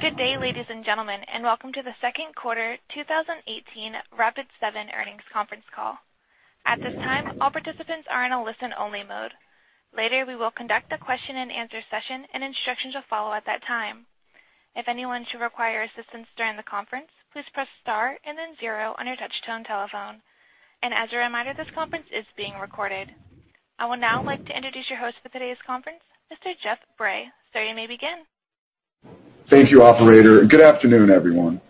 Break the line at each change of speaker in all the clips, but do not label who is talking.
Good day, ladies and gentlemen, welcome to the second quarter 2018 Rapid7 earnings conference call. At this time, all participants are in a listen-only mode. Later, we will conduct a question and answer session, instructions will follow at that time. If anyone should require assistance during the conference, please press star and then zero on your touch-tone telephone. As a reminder, this conference is being recorded. I would now like to introduce your host for today's conference, Mr. Jeff Bray. Sir, you may begin.
Thank you, operator, good afternoon, everyone.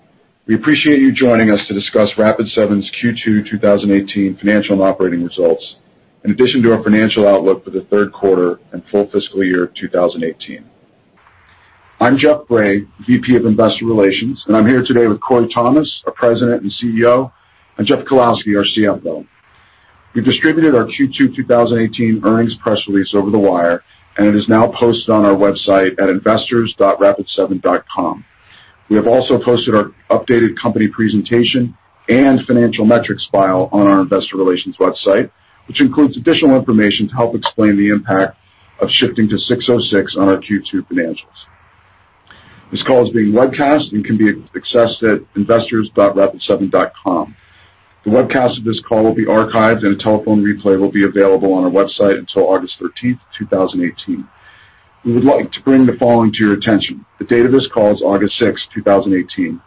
We appreciate you joining us to discuss Rapid7's Q2 2018 financial and operating results, in addition to our financial outlook for the third quarter and full fiscal year of 2018. I'm Jeff Bray, VP of Investor Relations, I'm here today with Corey Thomas, our President and CEO, and Jeff Kowalski, our CFO. We distributed our Q2 2018 earnings press release over the wire, it is now posted on our website at investors.rapid7.com. We have also posted our updated company presentation and financial metrics file on our investor relations website, which includes additional information to help explain the impact of shifting to 606 on our Q2 financials. This call is being webcast and can be accessed at investors.rapid7.com. The webcast of this call will be archived and a telephone replay will be available on our website until August 13th, 2018. We would like to bring the following to your attention. The date of this call is August 6, 2018.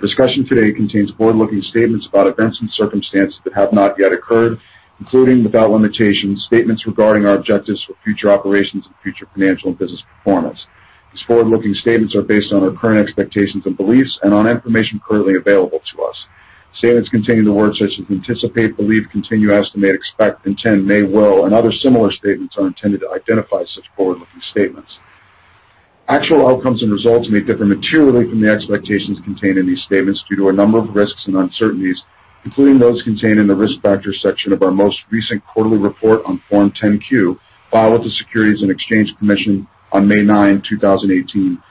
Discussion today contains forward-looking statements about events and circumstances that have not yet occurred, including, without limitation, statements regarding our objectives for future operations and future financial and business performance. These forward-looking statements are based on our current expectations and beliefs and on information currently available to us. Statements containing the words such as anticipate, believe, continue, estimate, expect, intend, may, will, and other similar statements are intended to identify such forward-looking statements. Actual outcomes and results may differ materially from the expectations contained in these statements due to a number of risks and uncertainties, including those contained in the Risk Factors section of our most recent quarterly report on Form 10-Q, filed with the Securities and Exchange Commission on May 9, 2018,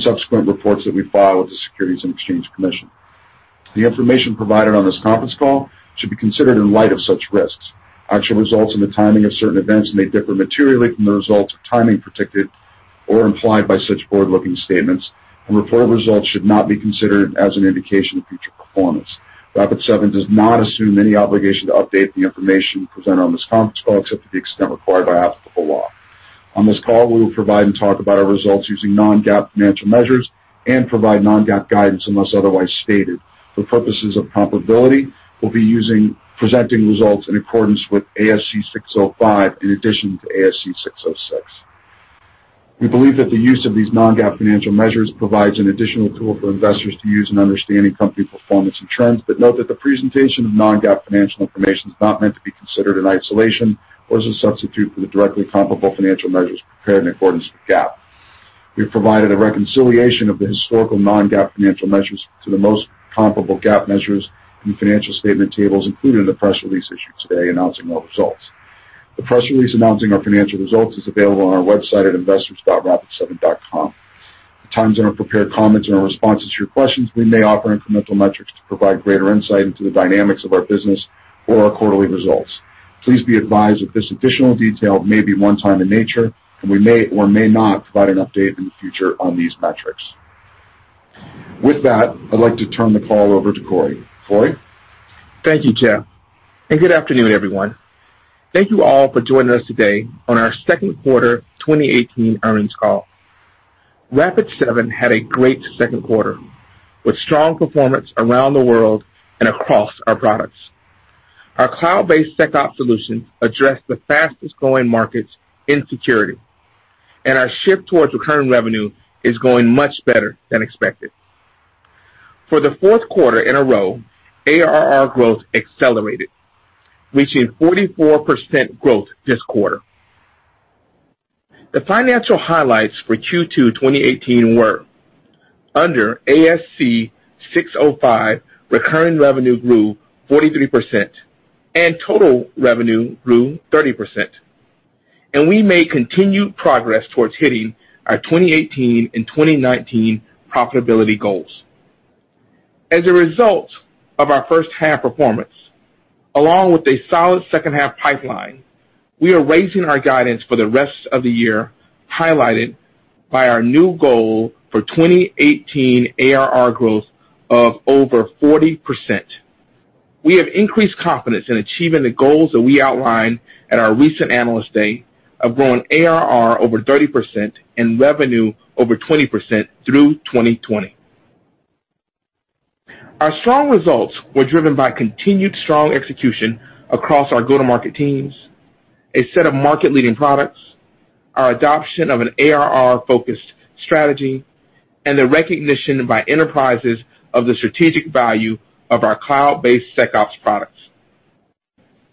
subsequent reports that we file with the Securities and Exchange Commission. The information provided on this conference call should be considered in light of such risks. Actual results and the timing of certain events may differ materially from the results or timing predicted or implied by such forward-looking statements, reported results should not be considered as an indication of future performance. Rapid7 does not assume any obligation to update the information presented on this conference call, except to the extent required by applicable law. On this call, we will provide and talk about our results using non-GAAP financial measures and provide non-GAAP guidance unless otherwise stated. For purposes of comparability, we will be presenting results in accordance with ASC 605 in addition to ASC 606. We believe that the use of these non-GAAP financial measures provides an additional tool for investors to use in understanding company performance and trends, but note that the presentation of non-GAAP financial information is not meant to be considered in isolation or as a substitute for the directly comparable financial measures prepared in accordance with GAAP. We have provided a reconciliation of the historical non-GAAP financial measures to the most comparable GAAP measures in the financial statement tables included in the press release issued today announcing our results. The press release announcing our financial results is available on our website at investors.rapid7.com. At times in our prepared comments and our responses to your questions, we may offer incremental metrics to provide greater insight into the dynamics of our business or our quarterly results. Please be advised that this additional detail may be one-time in nature, and we may or may not provide an update in the future on these metrics. With that, I would like to turn the call over to Corey. Corey?
Thank you, Jeff, and good afternoon, everyone. Thank you all for joining us today on our second quarter 2018 earnings call. Rapid7 had a great second quarter with strong performance around the world and across our products. Our cloud-based SecOps solution addressed the fastest-growing markets in security, and our shift towards recurring revenue is going much better than expected. For the fourth quarter in a row, ARR growth accelerated, reaching 44% growth this quarter. The financial highlights for Q2 2018 were under ASC 605, recurring revenue grew 43%, and total revenue grew 30%. We made continued progress towards hitting our 2018 and 2019 profitability goals. As a result of our first half performance, along with a solid second half pipeline, we are raising our guidance for the rest of the year, highlighted by our new goal for 2018 ARR growth of over 40%. We have increased confidence in achieving the goals that we outlined at our recent Analyst Day of growing ARR over 30% and revenue over 20% through 2020. Our strong results were driven by continued strong execution across our go-to-market teams, a set of market-leading products, our adoption of an ARR-focused strategy, and the recognition by enterprises of the strategic value of our cloud-based SecOps products.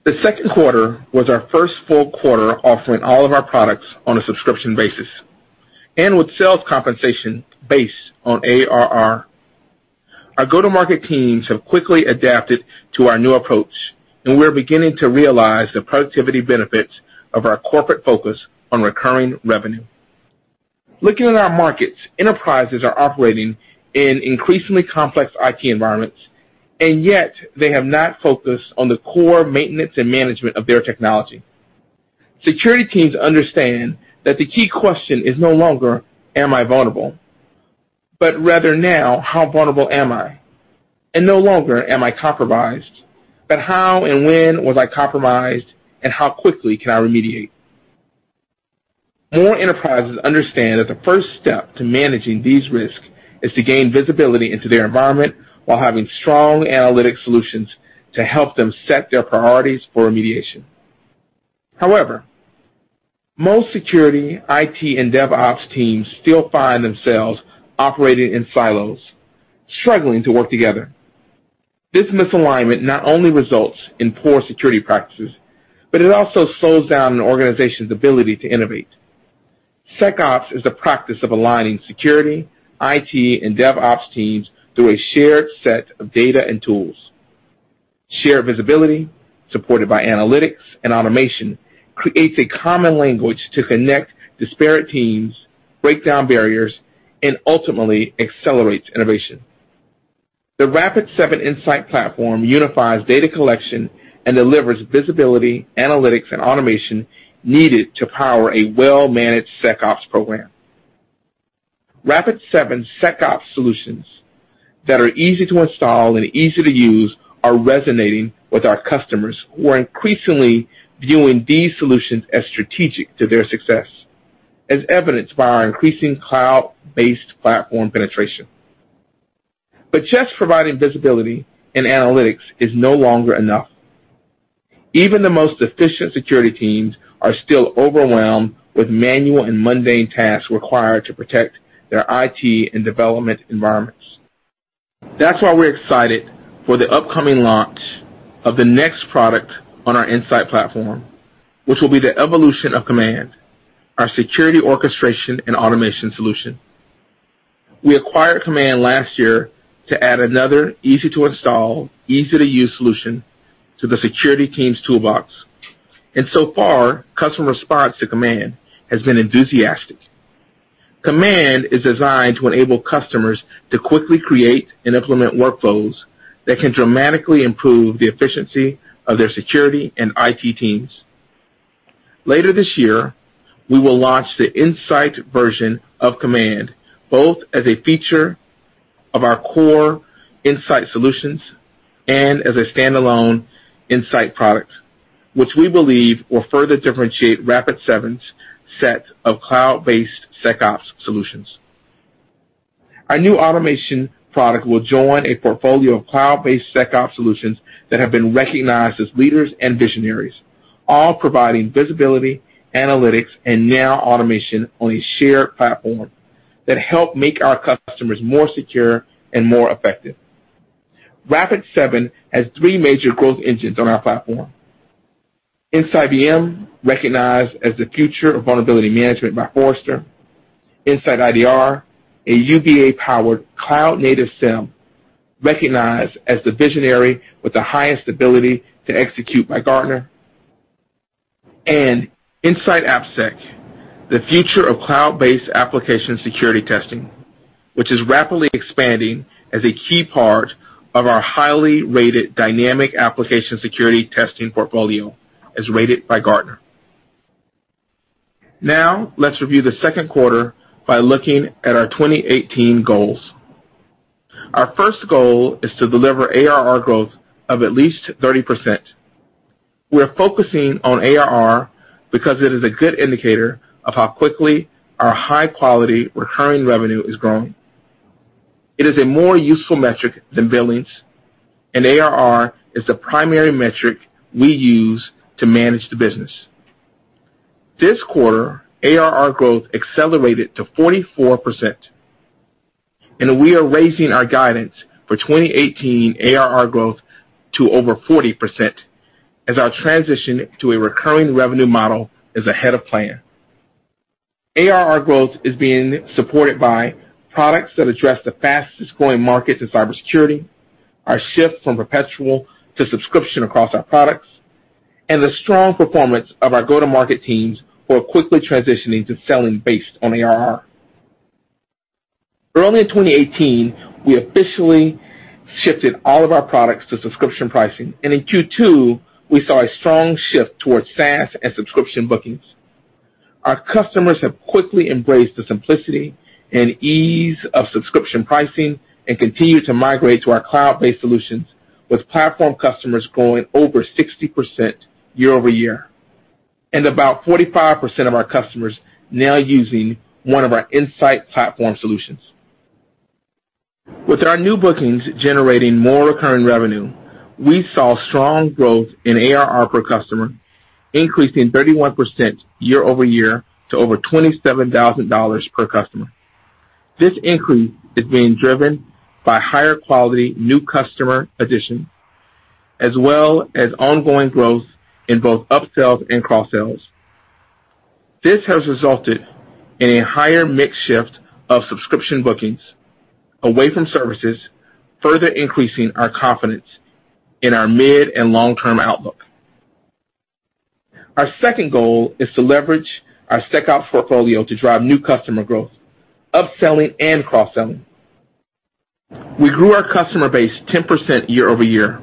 The second quarter was our first full quarter offering all of our products on a subscription basis and with sales compensation based on ARR. Our go-to-market teams have quickly adapted to our new approach, and we are beginning to realize the productivity benefits of our corporate focus on recurring revenue. Looking at our markets, enterprises are operating in increasingly complex IT environments, yet they have not focused on the core maintenance and management of their technology. Security teams understand that the key question is no longer, "Am I vulnerable?" Rather now, "How vulnerable am I?" No longer, "Am I compromised?" How and when was I compromised, and how quickly can I remediate? More enterprises understand that the first step to managing these risks is to gain visibility into their environment while having strong analytic solutions to help them set their priorities for remediation. However, most security, IT, and DevOps teams still find themselves operating in silos, struggling to work together. This misalignment not only results in poor security practices, but it also slows down an organization's ability to innovate. SecOps is a practice of aligning security, IT, and DevOps teams through a shared set of data and tools. Shared visibility, supported by analytics and automation, creates a common language to connect disparate teams, break down barriers, and ultimately accelerates innovation. The Rapid7 Insight platform unifies data collection and delivers visibility, analytics, and automation needed to power a well-managed SecOps program. Rapid7 SecOps solutions that are easy to install and easy to use are resonating with our customers, who are increasingly viewing these solutions as strategic to their success, as evidenced by our increasing cloud-based platform penetration. Just providing visibility and analytics is no longer enough. Even the most efficient security teams are still overwhelmed with manual and mundane tasks required to protect their IT and development environments. That's why we're excited for the upcoming launch of the next product on our Insight platform, which will be the evolution of Komand, our security orchestration and automation solution. We acquired Komand last year to add another easy-to-install, easy-to-use solution to the security team's toolbox, and so far, customer response to Komand has been enthusiastic. Komand is designed to enable customers to quickly create and implement workflows that can dramatically improve the efficiency of their security and IT teams. Later this year, we will launch the Insight version of Komand, both as a feature of our core Insight solutions and as a standalone Insight product, which we believe will further differentiate Rapid7's set of cloud-based SecOps solutions. Our new automation product will join a portfolio of cloud-based SecOps solutions that have been recognized as leaders and visionaries, all providing visibility, analytics, and now automation on a shared platform that help make our customers more secure and more effective. Rapid7 has three major growth engines on our platform. InsightVM, recognized as the future of vulnerability management by Forrester. InsightIDR, a UBA-powered cloud-native SIEM, recognized as the visionary with the highest ability to execute by Gartner. InsightAppSec, the future of cloud-based application security testing, which is rapidly expanding as a key part of our highly rated dynamic application security testing portfolio, as rated by Gartner. Now, let's review the second quarter by looking at our 2018 goals. Our first goal is to deliver ARR growth of at least 30%. We're focusing on ARR because it is a good indicator of how quickly our high-quality recurring revenue is growing. It is a more useful metric than billings, and ARR is the primary metric we use to manage the business. This quarter, ARR growth accelerated to 44%, and we are raising our guidance for 2018 ARR growth to over 40% as our transition to a recurring revenue model is ahead of plan. ARR growth is being supported by products that address the fastest-growing markets in cybersecurity, our shift from perpetual to subscription across our products, and the strong performance of our go-to-market teams who are quickly transitioning to selling based on ARR. Early in 2018, we officially shifted all of our products to subscription pricing, and in Q2, we saw a strong shift towards SaaS and subscription bookings. Our customers have quickly embraced the simplicity and ease of subscription pricing and continue to migrate to our cloud-based solutions, with platform customers growing over 60% year-over-year, and about 45% of our customers now using one of our Insight platform solutions. With our new bookings generating more recurring revenue, we saw strong growth in ARR per customer, increasing 31% year-over-year to over $27,000 per customer. This increase is being driven by higher quality new customer addition, as well as ongoing growth in both upsells and cross-sells. This has resulted in a higher mix shift of subscription bookings away from services, further increasing our confidence in our mid and long-term outlook. Our second goal is to leverage our SecOps portfolio to drive new customer growth, upselling and cross-selling. We grew our customer base 10% year-over-year,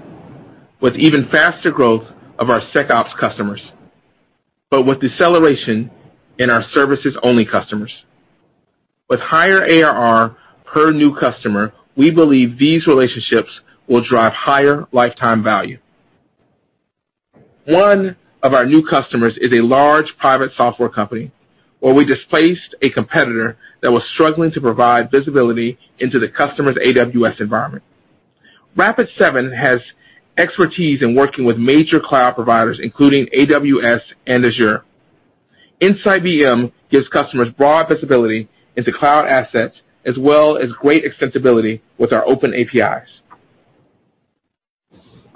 with even faster growth of our SecOps customers, but with deceleration in our services-only customers. With higher ARR per new customer, we believe these relationships will drive higher lifetime value. One of our new customers is a large private software company where we displaced a competitor that was struggling to provide visibility into the customer's AWS environment. Rapid7 has expertise in working with major cloud providers, including AWS and Azure. InsightVM gives customers broad visibility into cloud assets as well as great extensibility with our open APIs.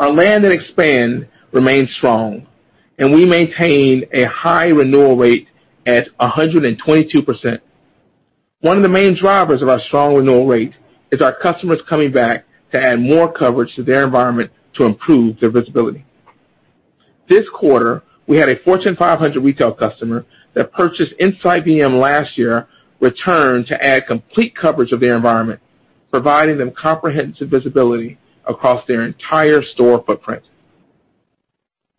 Our land and expand remains strong, and we maintain a high renewal rate at 122%. One of the main drivers of our strong renewal rate is our customers coming back to add more coverage to their environment to improve their visibility. This quarter, we had a Fortune 500 retail customer that purchased InsightVM last year return to add complete coverage of their environment, providing them comprehensive visibility across their entire store footprint.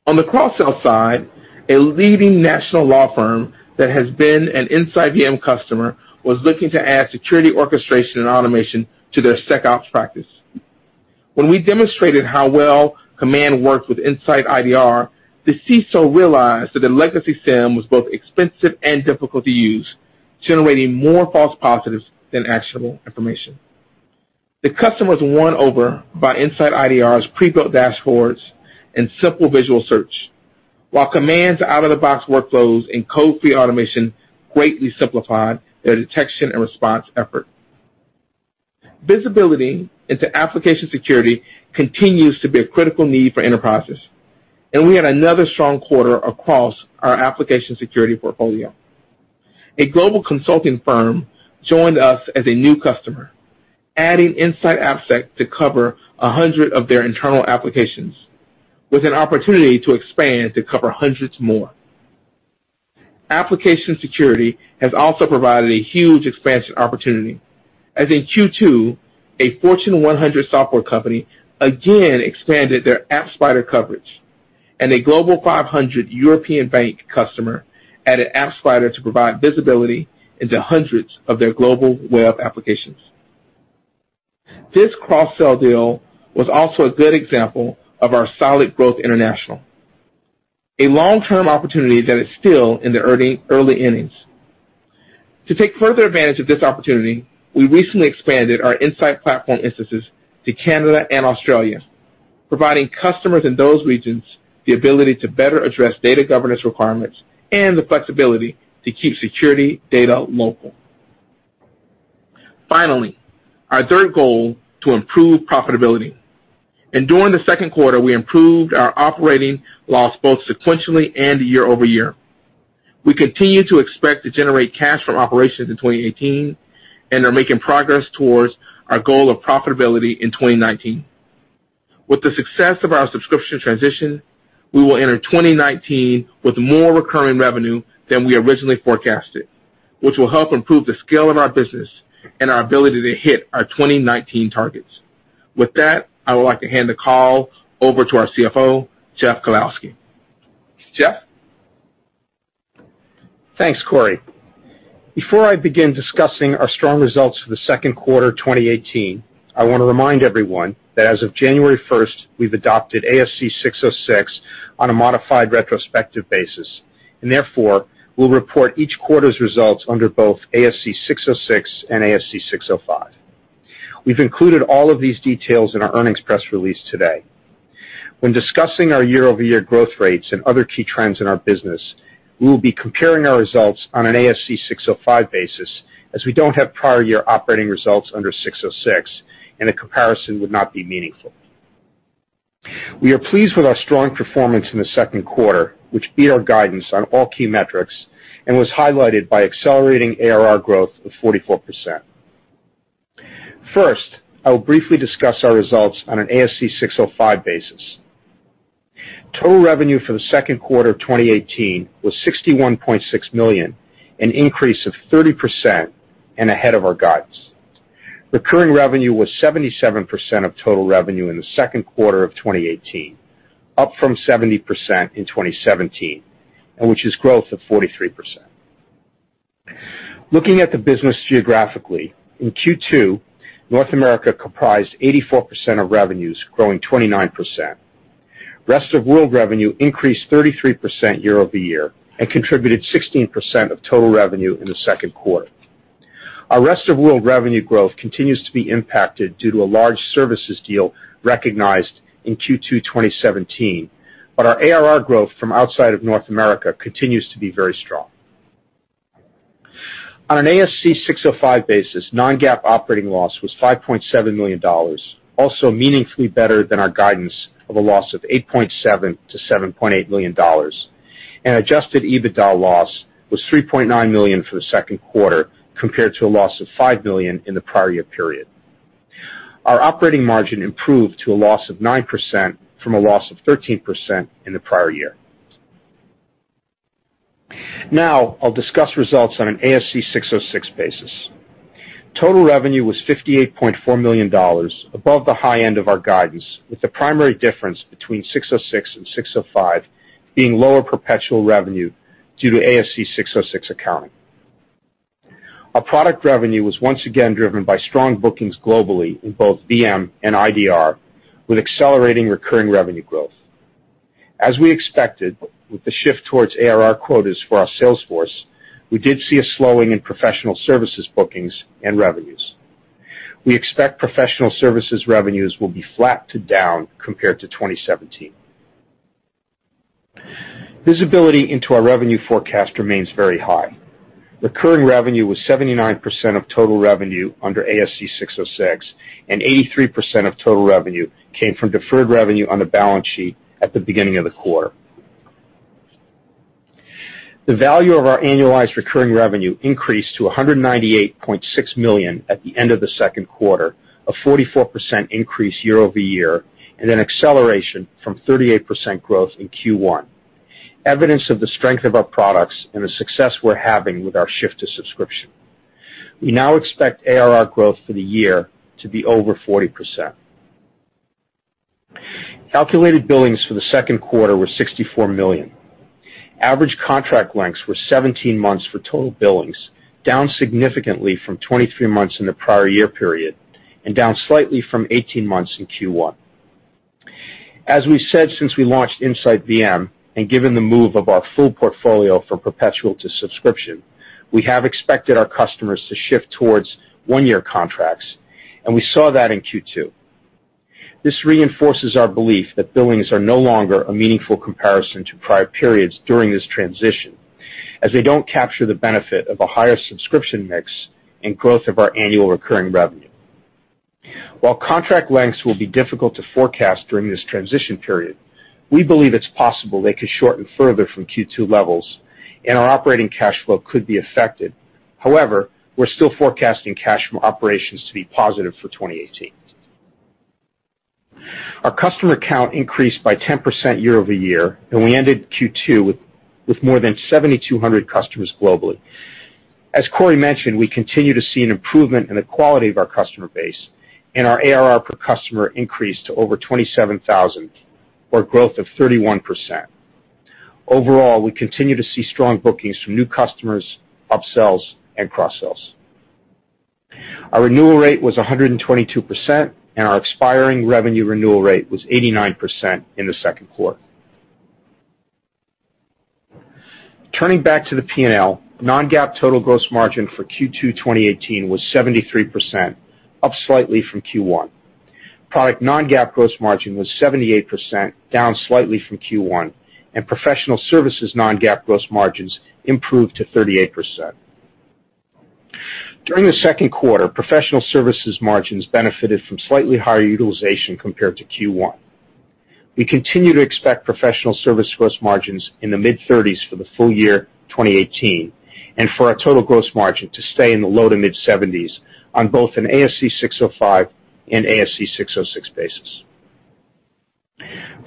On the cross-sell side, a leading national law firm that has been an InsightVM customer was looking to add security orchestration and automation to their SecOps practice. When we demonstrated how well Komand worked with InsightIDR, the CISO realized that their legacy SIEM was both expensive and difficult to use, generating more false positives than actionable information. The customer was won over by InsightIDR's pre-built dashboards and simple visual search. While Komand's out-of-the-box workflows and code-free automation greatly simplified their detection and response effort. Visibility into application security continues to be a critical need for enterprises, and we had another strong quarter across our application security portfolio. A global consulting firm joined us as a new customer, adding InsightAppSec to cover 100 of their internal applications, with an opportunity to expand to cover hundreds more. Application security has also provided a huge expansion opportunity, as in Q2, a Fortune 100 software company again expanded their AppSpider coverage, and a global 500 European bank customer added AppSpider to provide visibility into hundreds of their global web applications. This cross-sell deal was also a good example of our solid growth international, a long-term opportunity that is still in the early innings. To take further advantage of this opportunity, we recently expanded our Insight platform instances to Canada and Australia, providing customers in those regions the ability to better address data governance requirements and the flexibility to keep security data local. Finally, our third goal, to improve profitability. During the second quarter, we improved our operating loss both sequentially and year-over-year. We continue to expect to generate cash from operations in 2018 and are making progress towards our goal of profitability in 2019. With the success of our subscription transition, we will enter 2019 with more recurring revenue than we originally forecasted, which will help improve the scale of our business and our ability to hit our 2019 targets. With that, I would like to hand the call over to our CFO, Jeff Kowalski. Jeff?
Thanks, Corey. Before I begin discussing our strong results for the second quarter 2018, I want to remind everyone that as of January 1st, we've adopted ASC 606 on a modified retrospective basis, therefore, we'll report each quarter's results under both ASC 606 and ASC 605. We've included all of these details in our earnings press release today. When discussing our year-over-year growth rates and other key trends in our business, we will be comparing our results on an ASC 605 basis, as we don't have prior year operating results under 606, and a comparison would not be meaningful. We are pleased with our strong performance in the second quarter, which beat our guidance on all key metrics and was highlighted by accelerating ARR growth of 44%. First, I will briefly discuss our results on an ASC 605 basis. Total revenue for the second quarter of 2018 was $61.6 million, an increase of 30% and ahead of our guidance. Recurring revenue was 77% of total revenue in the second quarter of 2018, up from 70% in 2017, which is growth of 43%. Looking at the business geographically, in Q2, North America comprised 84% of revenues, growing 29%. Rest of world revenue increased 33% year-over-year and contributed 16% of total revenue in the second quarter. Our rest of world revenue growth continues to be impacted due to a large services deal recognized in Q2 2017. Our ARR growth from outside of North America continues to be very strong. On an ASC 605 basis, non-GAAP operating loss was $5.7 million, also meaningfully better than our guidance of a loss of $8.7 million-$7.8 million, adjusted EBITDA loss was $3.9 million for the second quarter compared to a loss of $5 million in the prior year period. Our operating margin improved to a loss of 9% from a loss of 13% in the prior year. Now, I'll discuss results on an ASC 606 basis. Total revenue was $58.4 million, above the high end of our guidance, with the primary difference between 606 and 605 being lower perpetual revenue due to ASC 606 accounting. Our product revenue was once again driven by strong bookings globally in both VM and IDR, with accelerating recurring revenue growth. As we expected, with the shift towards ARR quotas for our sales force, we did see a slowing in professional services bookings and revenues. We expect professional services revenues will be flat to down compared to 2017. Visibility into our revenue forecast remains very high. Recurring revenue was 79% of total revenue under ASC 606, and 83% of total revenue came from deferred revenue on the balance sheet at the beginning of the quarter. The value of our annualized recurring revenue increased to $198.6 million at the end of the second quarter, a 44% increase year-over-year, and an acceleration from 38% growth in Q1. Evidence of the strength of our products and the success we're having with our shift to subscription. We now expect ARR growth for the year to be over 40%. Calculated billings for the second quarter were $64 million. Average contract lengths were 17 months for total billings, down significantly from 23 months in the prior year period, and down slightly from 18 months in Q1. As we said, since we launched InsightVM, and given the move of our full portfolio from perpetual to subscription, we have expected our customers to shift towards one-year contracts, and we saw that in Q2. This reinforces our belief that billings are no longer a meaningful comparison to prior periods during this transition, as they don't capture the benefit of a higher subscription mix and growth of our annual recurring revenue. While contract lengths will be difficult to forecast during this transition period, we believe it's possible they could shorten further from Q2 levels, and our operating cash flow could be affected. However, we're still forecasting cash from operations to be positive for 2018. Our customer count increased by 10% year-over-year, and we ended Q2 with more than 7,200 customers globally. As Corey mentioned, we continue to see an improvement in the quality of our customer base, and our ARR per customer increased to over $27,000 or growth of 31%. Overall, we continue to see strong bookings from new customers, upsells and cross-sells. Our renewal rate was 122%, and our expiring revenue renewal rate was 89% in the second quarter. Turning back to the P&L, non-GAAP total gross margin for Q2 2018 was 73%, up slightly from Q1. Product non-GAAP gross margin was 78%, down slightly from Q1, and professional services non-GAAP gross margins improved to 38%. During the second quarter, professional services margins benefited from slightly higher utilization compared to Q1. We continue to expect professional service gross margins in the mid-thirties for the full year 2018, and for our total gross margin to stay in the low to mid-seventies on both an ASC 605 and ASC 606 basis.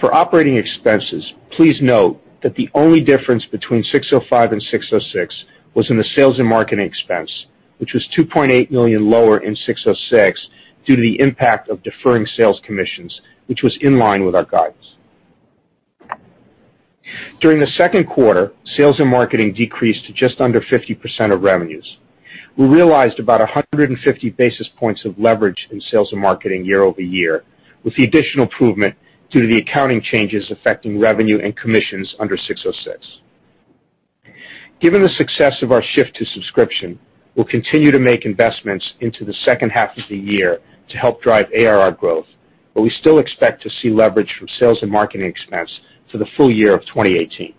For operating expenses, please note that the only difference between ASC 605 and ASC 606 was in the sales and marketing expense, which was $2.8 million lower in ASC 606 due to the impact of deferring sales commissions, which was in line with our guidance. During the second quarter, sales and marketing decreased to just under 50% of revenues. We realized about 150 basis points of leverage in sales and marketing year-over-year, with the additional improvement due to the accounting changes affecting revenue and commissions under ASC 606. Given the success of our shift to subscription, we'll continue to make investments into the second half of the year to help drive ARR growth, but we still expect to see leverage from sales and marketing expense for the full year of 2018.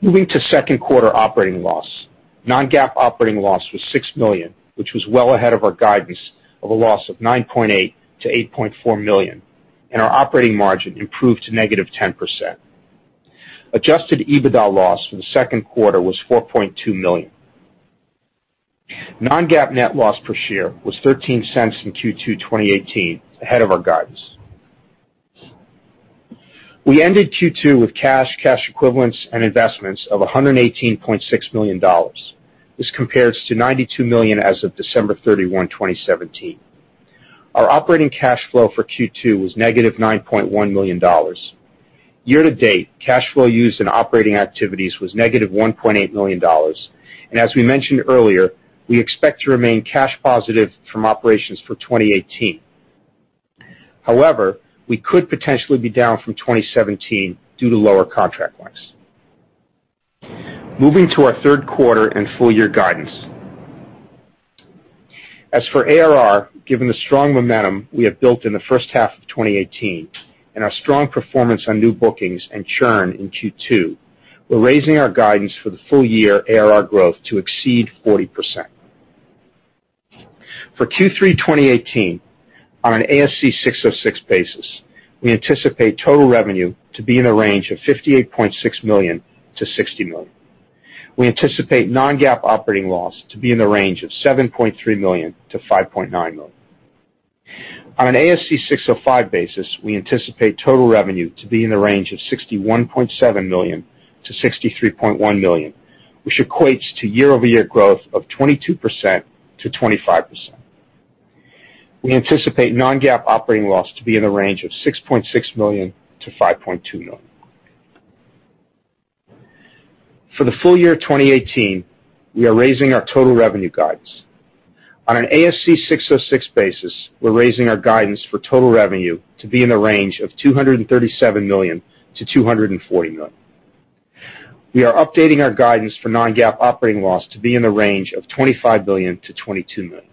Moving to second quarter operating loss. Non-GAAP operating loss was $6 million, which was well ahead of our guidance of a loss of $9.8 million-$8.4 million, and our operating margin improved to -10%. Adjusted EBITDA loss for the second quarter was $4.2 million. Non-GAAP net loss per share was $0.13 in Q2 2018, ahead of our guidance. We ended Q2 with cash equivalents, and investments of $118.6 million. This compares to $92 million as of December 31, 2017. Our operating cash flow for Q2 was negative $9.1 million. Year to date, cash flow used in operating activities was negative $1.8 million, as we mentioned earlier, we expect to remain cash positive from operations for 2018. However, we could potentially be down from 2017 due to lower contract lengths. Moving to our third quarter and full year guidance. As for ARR, given the strong momentum we have built in the first half of 2018 and our strong performance on new bookings and churn in Q2, we're raising our guidance for the full year ARR growth to exceed 40%. For Q3 2018, on an ASC 606 basis, we anticipate total revenue to be in the range of $58.6 million-$60 million. We anticipate non-GAAP operating loss to be in the range of $7.3 million-$5.9 million. On an ASC 605 basis, we anticipate total revenue to be in the range of $61.7 million-$63.1 million, which equates to year-over-year growth of 22%-25%. We anticipate non-GAAP operating loss to be in the range of $6.6 million-$5.2 million. For the full year 2018, we are raising our total revenue guidance. On an ASC 606 basis, we're raising our guidance for total revenue to be in the range of $237 million-$240 million. We are updating our guidance for non-GAAP operating loss to be in the range of $25 million-$22 million.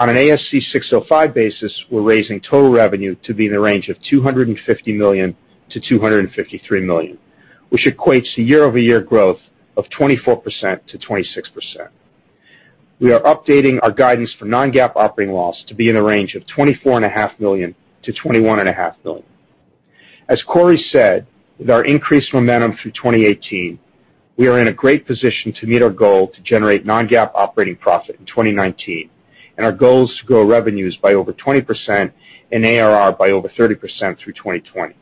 On an ASC 605 basis, we're raising total revenue to be in the range of $250 million-$253 million, which equates to year-over-year growth of 24%-26%. We are updating our guidance for non-GAAP operating loss to be in the range of $24.5 million-$21.5 million. As Corey said, with our increased momentum through 2018, we are in a great position to meet our goal to generate non-GAAP operating profit in 2019. Our goal is to grow revenues by over 20% and ARR by over 30% through 2020.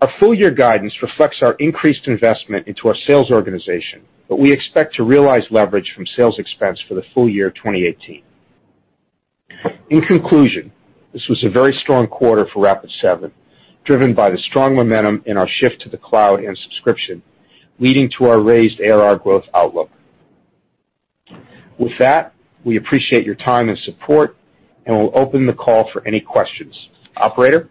Our full year guidance reflects our increased investment into our sales organization, we expect to realize leverage from sales expense for the full year 2018. In conclusion, this was a very strong quarter for Rapid7, driven by the strong momentum in our shift to the cloud and subscription, leading to our raised ARR growth outlook. With that, we appreciate your time and support, we'll open the call for any questions. Operator?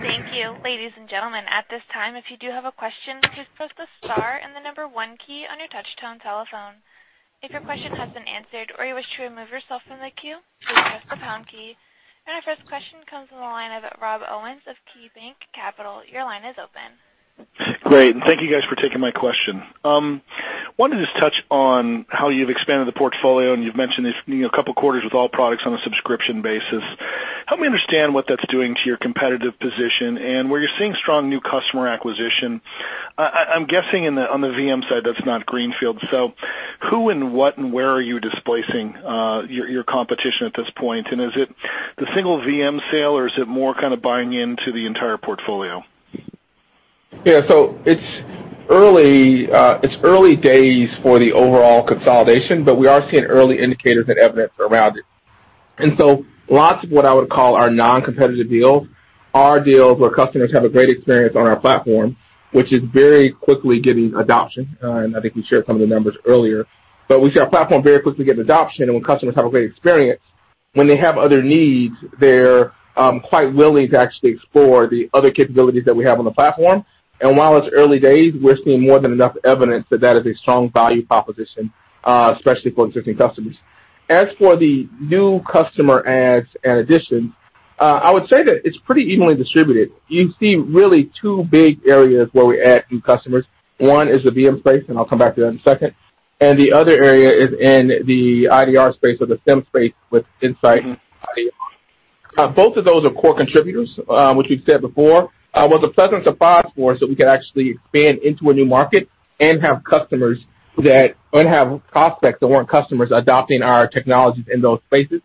Thank you. Ladies and gentlemen, at this time, if you do have a question, please press the star and the number one key on your touchtone telephone. If your question has been answered or you wish to remove yourself from the queue, please press the pound key. Our first question comes on the line of Rob Owens of KeyBanc Capital. Your line is open.
Great, thank you guys for taking my question. Wanted to just touch on how you've expanded the portfolio, you've mentioned this a couple quarters with all products on a subscription basis. Help me understand what that's doing to your competitive position and where you're seeing strong new customer acquisition. I'm guessing on the VM side, that's not greenfield. Who, and what, and where are you displacing your competition at this point? Is it the single VM sale, or is it more kind of buying into the entire portfolio?
Yeah. It's early days for the overall consolidation, but we are seeing early indicators and evidence around it. Lots of what I would call our non-competitive deals are deals where customers have a great experience on our platform, which is very quickly getting adoption. I think we shared some of the numbers earlier. We see our platform very quickly getting adoption, and when customers have a great experience, when they have other needs, they're quite willing to actually explore the other capabilities that we have on the platform. While it's early days, we're seeing more than enough evidence that that is a strong value proposition, especially for existing customers. As for the new customer adds and additions, I would say that it's pretty evenly distributed. You see really two big areas where we add new customers. One is the VM space, and I'll come back to that in a second, and the other area is in the IDR space or the SIEM space with Insight IDR. Both of those are core contributors, which we've said before. It was a pleasant surprise for us that we could actually expand into a new market and have prospects that weren't customers adopting our technologies in those spaces.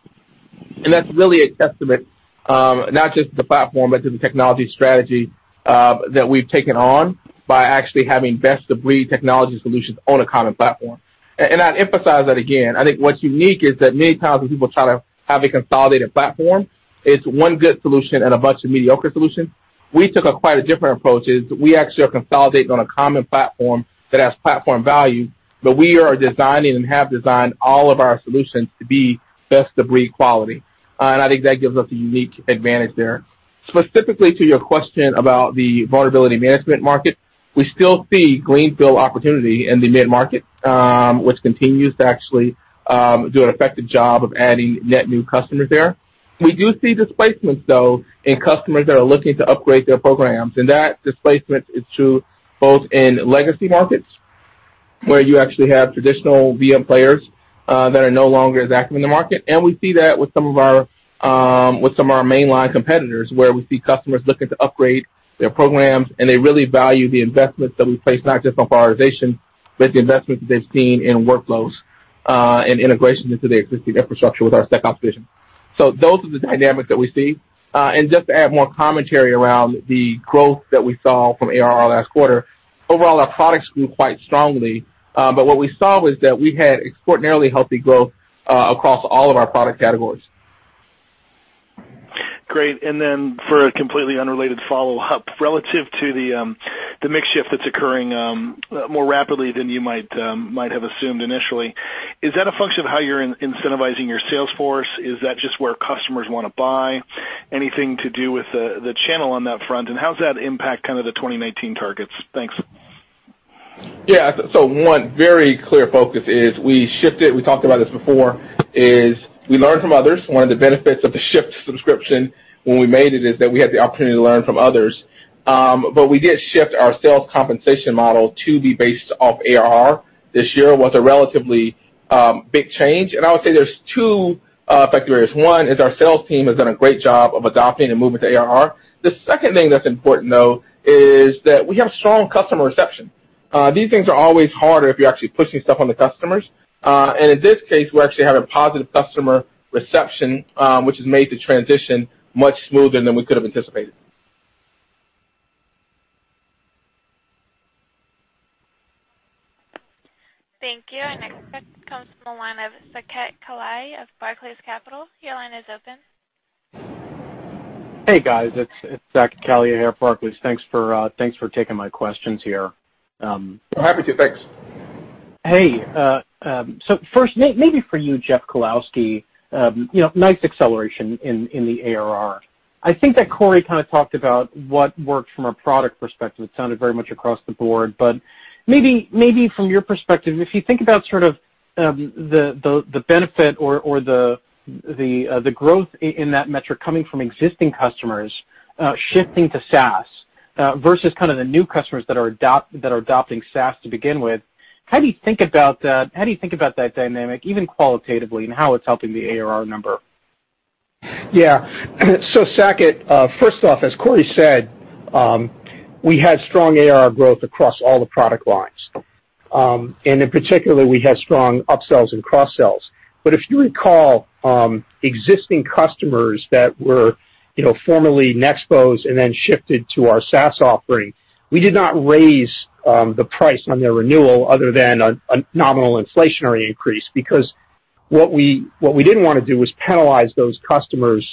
That's really a testament, not just to the platform, but to the technology strategy that we've taken on by actually having best-of-breed technology solutions on a common platform. I'd emphasize that again. I think what's unique is that many times when people try to have a consolidated platform, it's one good solution and a bunch of mediocre solutions. We took quite a different approach, we actually are consolidating on a common platform that has platform value, but we are designing and have designed all of our solutions to be best-of-breed quality. I think that gives us a unique advantage there. Specifically to your question about the vulnerability management market, we still see greenfield opportunity in the mid-market, which continues to actually do an effective job of adding net new customers there. We do see displacements, though, in customers that are looking to upgrade their programs, and that displacement is true both in legacy markets, where you actually have traditional VM players that are no longer as active in the market, and we see that with some of our mainline competitors, where we see customers looking to upgrade their programs, and they really value the investments that we place not just on prioritization, but the investments that they've seen in workloads, and integration into their existing infrastructure with our SecOps vision. Those are the dynamics that we see. Just to add more commentary around the growth that we saw from ARR last quarter, overall, our products grew quite strongly. What we saw was that we had extraordinarily healthy growth across all of our product categories.
Great. For a completely unrelated follow-up, relative to the mix shift that's occurring more rapidly than you might have assumed initially, is that a function of how you're incentivizing your sales force? Is that just where customers want to buy? Anything to do with the channel on that front? How does that impact kind of the 2019 targets? Thanks.
Yeah. One very clear focus is we shifted, we talked about this before, we learned from others. One of the benefits of the shift to subscription when we made it, is that we had the opportunity to learn from others. We did shift our sales compensation model to be based off ARR. This year was a relatively big change. I would say there's two factors. One is our sales team has done a great job of adopting and moving to ARR. The second thing that's important, though, is that we have strong customer reception. These things are always harder if you're actually pushing stuff on the customers. In this case, we actually have a positive customer reception, which has made the transition much smoother than we could have anticipated.
Thank you. Our next question comes from the line of Saket Kalia of Barclays Capital. Your line is open.
Hey, guys. It's Saket Kalia here, Barclays. Thanks for taking my questions here.
Happy to. Thanks.
Hey. First, maybe for you, Jeff Kowalski, nice acceleration in the ARR. I think that Corey kind of talked about what worked from a product perspective. It sounded very much across the board. Maybe from your perspective, if you think about sort of the benefit or the growth in that metric coming from existing customers shifting to SaaS versus kind of the new customers that are adopting SaaS to begin with, how do you think about that dynamic, even qualitatively, and how it's helping the ARR number?
Saket, first off, as Corey said, we had strong ARR growth across all the product lines. In particular, we had strong upsells and cross-sells. If you recall, existing customers that were formerly Nexpose and then shifted to our SaaS offering, we did not raise the price on their renewal other than a nominal inflationary increase, because what we didn't want to do was penalize those customers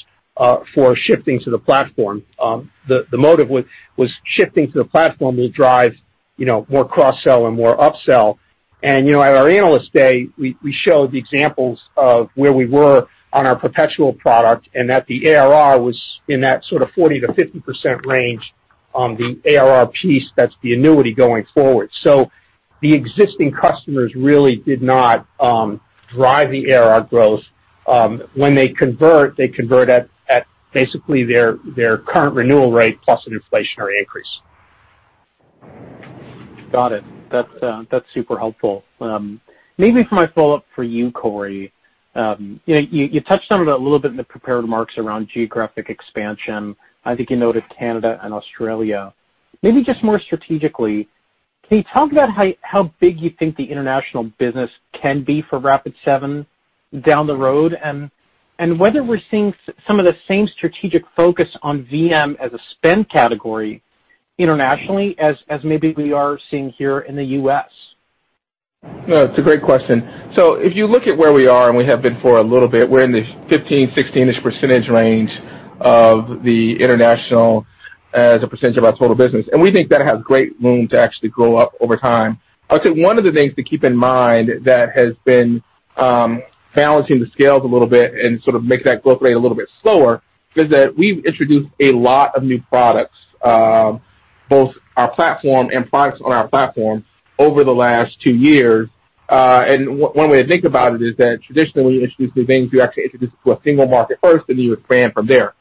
for shifting to the platform. The motive was shifting to the platform to drive more cross-sell and more upsell. At our Analyst Day, we showed the examples of where we were on our perpetual product and that the ARR was in that sort of 40%-50% range on the ARR piece, that's the annuity going forward. The existing customers really did not drive the ARR growth. When they convert, they convert at basically their current renewal rate plus an inflationary increase.
Got it. That's super helpful. Maybe for my follow-up for you, Corey. You touched on it a little bit in the prepared remarks around geographic expansion. I think you noted Canada and Australia. Maybe just more strategically, can you talk about how big you think the international business can be for Rapid7 down the road and whether we're seeing some of the same strategic focus on VM as a spend category internationally as maybe we are seeing here in the U.S.?
No, it's a great question. If you look at where we are, and we have been for a little bit, we're in the 15%, 16%-ish percentage range of the international as a percentage of our total business, we think that has great room to actually grow up over time. I would say one of the things to keep in mind that has been balancing the scales a little bit and sort of make that growth rate a little bit slower is that we've introduced a lot of new products, both our platform and products on our platform over the last two years. One way to think about it is that traditionally, when you introduce new things, you actually introduce it to a single market first, and you expand from there.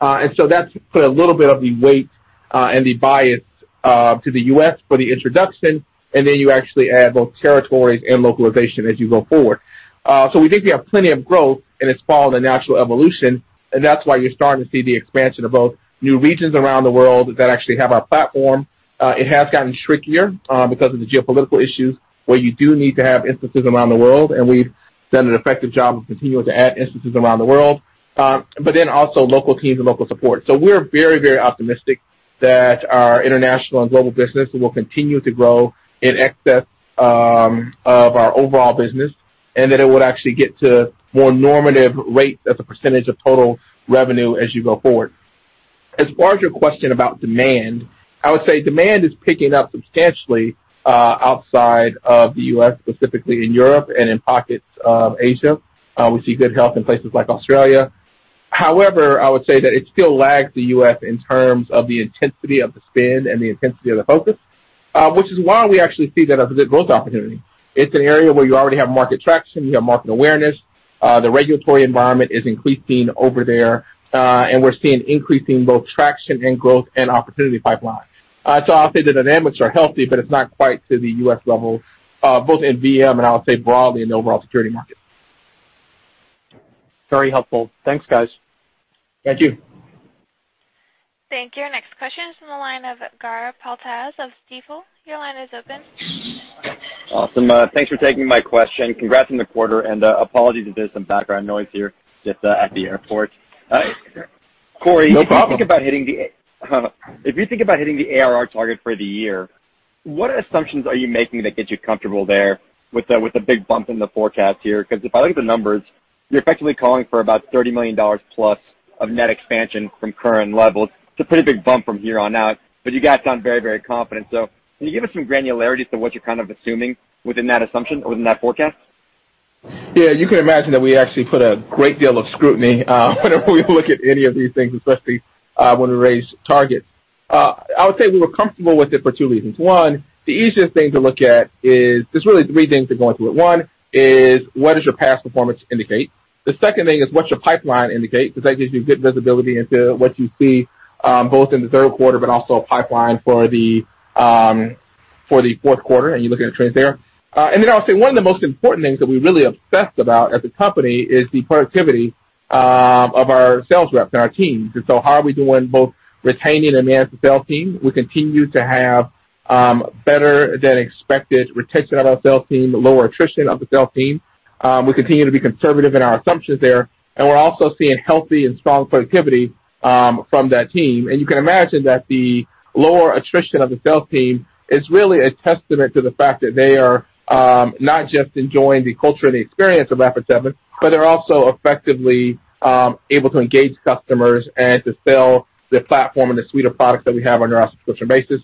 That's put a little bit of the weight and the bias to the U.S. for the introduction, you actually add both territories and localization as you go forward. We think we have plenty of growth, it's following the natural evolution, that's why you're starting to see the expansion of both new regions around the world that actually have our platform. It has gotten trickier because of the geopolitical issues, where you do need to have instances around the world, we've done an effective job of continuing to add instances around the world, also local teams and local support. We're very optimistic that our international and global business will continue to grow in excess of our overall business and that it would actually get to more normative rate as a percentage of total revenue as you go forward. As far as your question about demand, I would say demand is picking up substantially outside of the U.S., specifically in Europe and in pockets of Asia. We see good health in places like Australia. However, I would say that it still lags the U.S. in terms of the intensity of the spend and the intensity of the focus, which is why we actually see that as a good growth opportunity. It's an area where you already have market traction, you have market awareness. The regulatory environment is increasing over there, we're seeing increasing both traction and growth and opportunity pipeline. I'll say the dynamics are healthy, but it's not quite to the U.S. level, both in VM and I would say broadly in the overall security market.
Very helpful. Thanks, guys.
Thank you.
Thank you. Our next question is from the line of Gur Talpaz of Stifel. Your line is open.
Awesome. Thanks for taking my question. Congrats on the quarter, apologies if there's some background noise here just at the airport.
No problem.
Corey, if you think about hitting the ARR target for the year, what assumptions are you making that gets you comfortable there with the big bump in the forecast here? If I look at the numbers, you're effectively calling for about $30 million plus of net expansion from current levels. It's a pretty big bump from here on out, you guys sound very confident. Can you give us some granularity to what you're kind of assuming within that assumption or within that forecast?
Yeah. You can imagine that we actually put a great deal of scrutiny whenever we look at any of these things, especially when we raise targets. I would say we were comfortable with it for two reasons. One, the easiest thing to look at is there's really three things we're going through it. One is, what does your past performance indicate? The second thing is, what's your pipeline indicate? Because that gives you good visibility into what you see both in the third quarter but also a pipeline for the fourth quarter, and you look at the trends there. I would say one of the most important things that we really obsess about as a company is the productivity of our sales reps and our teams. How are we doing both retaining and managing sales team? We continue to have better than expected retention of our sales team, lower attrition of the sales team. We continue to be conservative in our assumptions there, and we're also seeing healthy and strong productivity from that team. You can imagine that the lower attrition of the sales team is really a testament to the fact that they are not just enjoying the culture and the experience of Rapid7, but they're also effectively able to engage customers and to sell the platform and the suite of products that we have on a subscription basis.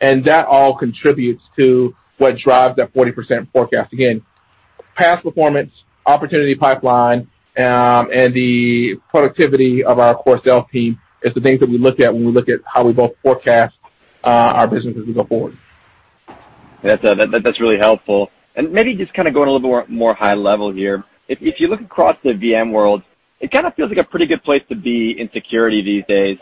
That all contributes to what drives that 40% forecast. Again, past performance, opportunity pipeline, and the productivity of our core sales team is the things that we look at when we look at how we both forecast our business as we go forward.
That's really helpful. Maybe just kind of going a little bit more high level here. If you look across the VM world, it kind of feels like a pretty good place to be in security these days.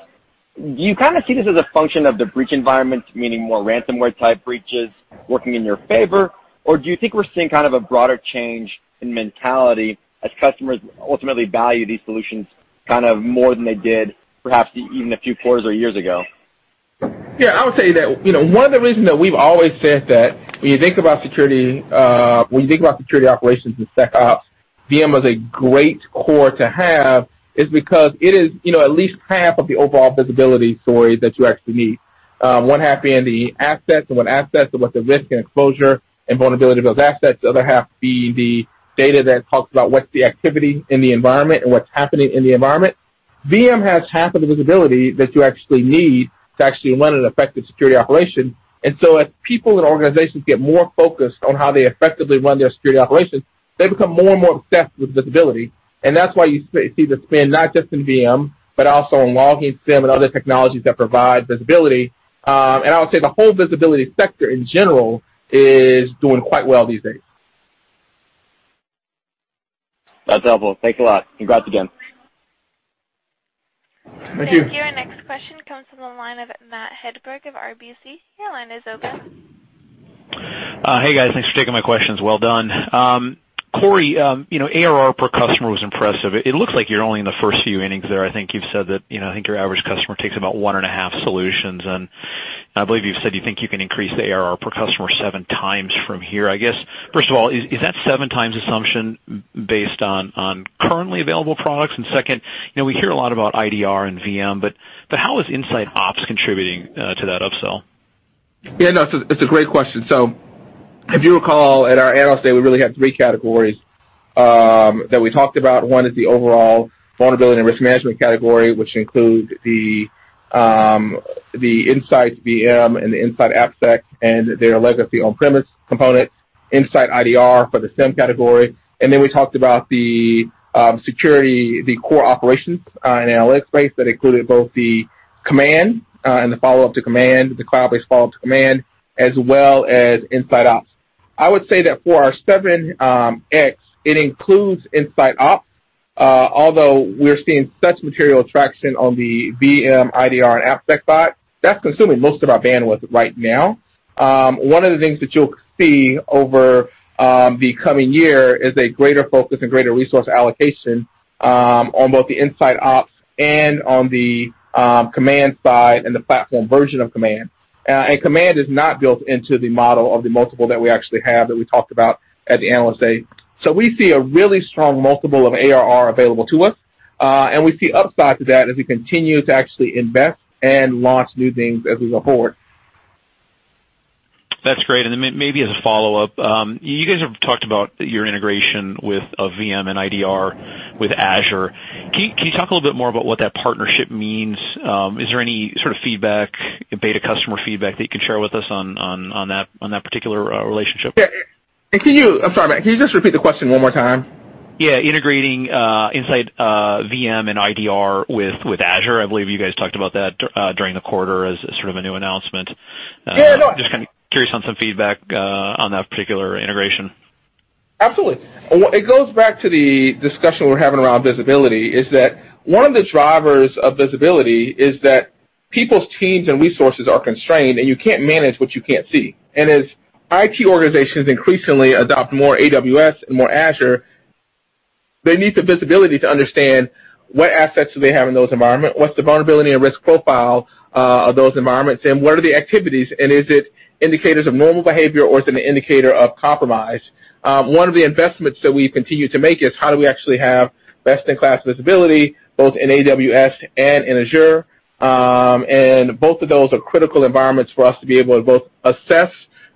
Do you kind of see this as a function of the breach environment, meaning more ransomware-type breaches working in your favor? Or do you think we're seeing kind of a broader change in mentality as customers ultimately value these solutions kind of more than they did, perhaps even a few quarters or years ago?
Yeah, I would say that one of the reasons that we've always said that when you think about security operations and SecOps, VM is a great core to have is because it is at least half of the overall visibility story that you actually need. One half being the assets, and what assets, and what the risk and exposure and vulnerability of those assets. The other half being the data that talks about what's the activity in the environment and what's happening in the environment. VM has half of the visibility that you actually need to actually run an effective security operation. As people and organizations get more focused on how they effectively run their security operations, they become more and more obsessed with visibility. That's why you see the spend not just in VM, but also in logging SIEM and other technologies that provide visibility. I would say the whole visibility sector in general is doing quite well these days.
That's helpful. Thanks a lot. Congrats again.
Thank you.
Thank you. Our next question comes from the line of Matthew Hedberg of RBC. Your line is open.
Hey, guys. Thanks for taking my questions. Well done. Corey, ARR per customer was impressive. It looks like you're only in the first few innings there. I think you've said that I think your average customer takes about one and a half solutions, and I believe you've said you think you can increase the ARR per customer seven times from here. I guess, first of all, is that seven times assumption based on currently available products? Second, we hear a lot about IDR and VM, but how is InsightOps contributing to that upsell?
Yeah, no, it's a great question. If you recall at our Analyst Day, we really had three categories that we talked about. One is the overall vulnerability and risk management category, which includes the InsightVM and the InsightAppSec, and their legacy on-premise component, InsightIDR for the SIEM category. We talked about the security, the core operations in our UX space. That included both the Komand and the follow-up to Komand, the cloud-based follow-up to Komand, as well as InsightOps. I would say that for our 7x, it includes InsightOps. Although we're seeing such material traction on the VM, IDR, and AppSec side, that's consuming most of our bandwidth right now. One of the things that you'll see over the coming year is a greater focus and greater resource allocation on both the InsightOps and on the Komand side and the platform version of Komand. Komand is not built into the model of the multiple that we actually have that we talked about at the Analyst Day. We see a really strong multiple of ARR available to us. We see upside to that as we continue to actually invest and launch new things as we go forward.
That's great. Maybe as a follow-up, you guys have talked about your integration with VM and IDR with Azure. Can you talk a little bit more about what that partnership means? Is there any sort of feedback, beta customer feedback that you can share with us on that particular relationship?
Yeah. I'm sorry, Matt, can you just repeat the question one more time?
Yeah. Integrating Insight VM and IDR with Azure. I believe you guys talked about that during the quarter as sort of a new announcement.
Yeah, no.
Just kind of curious on some feedback on that particular integration.
Absolutely. It goes back to the discussion we're having around visibility, is that one of the drivers of visibility is that people's teams and resources are constrained, and you can't manage what you can't see. As IT organizations increasingly adopt more AWS and more Azure, they need the visibility to understand what assets do they have in those environment, what's the vulnerability and risk profile of those environments, and what are the activities, and is it indicators of normal behavior or is it an indicator of compromise? One of the investments that we continue to make is how do we actually have best-in-class visibility, both in AWS and in Azure. Both of those are critical environments for us to be able to both assess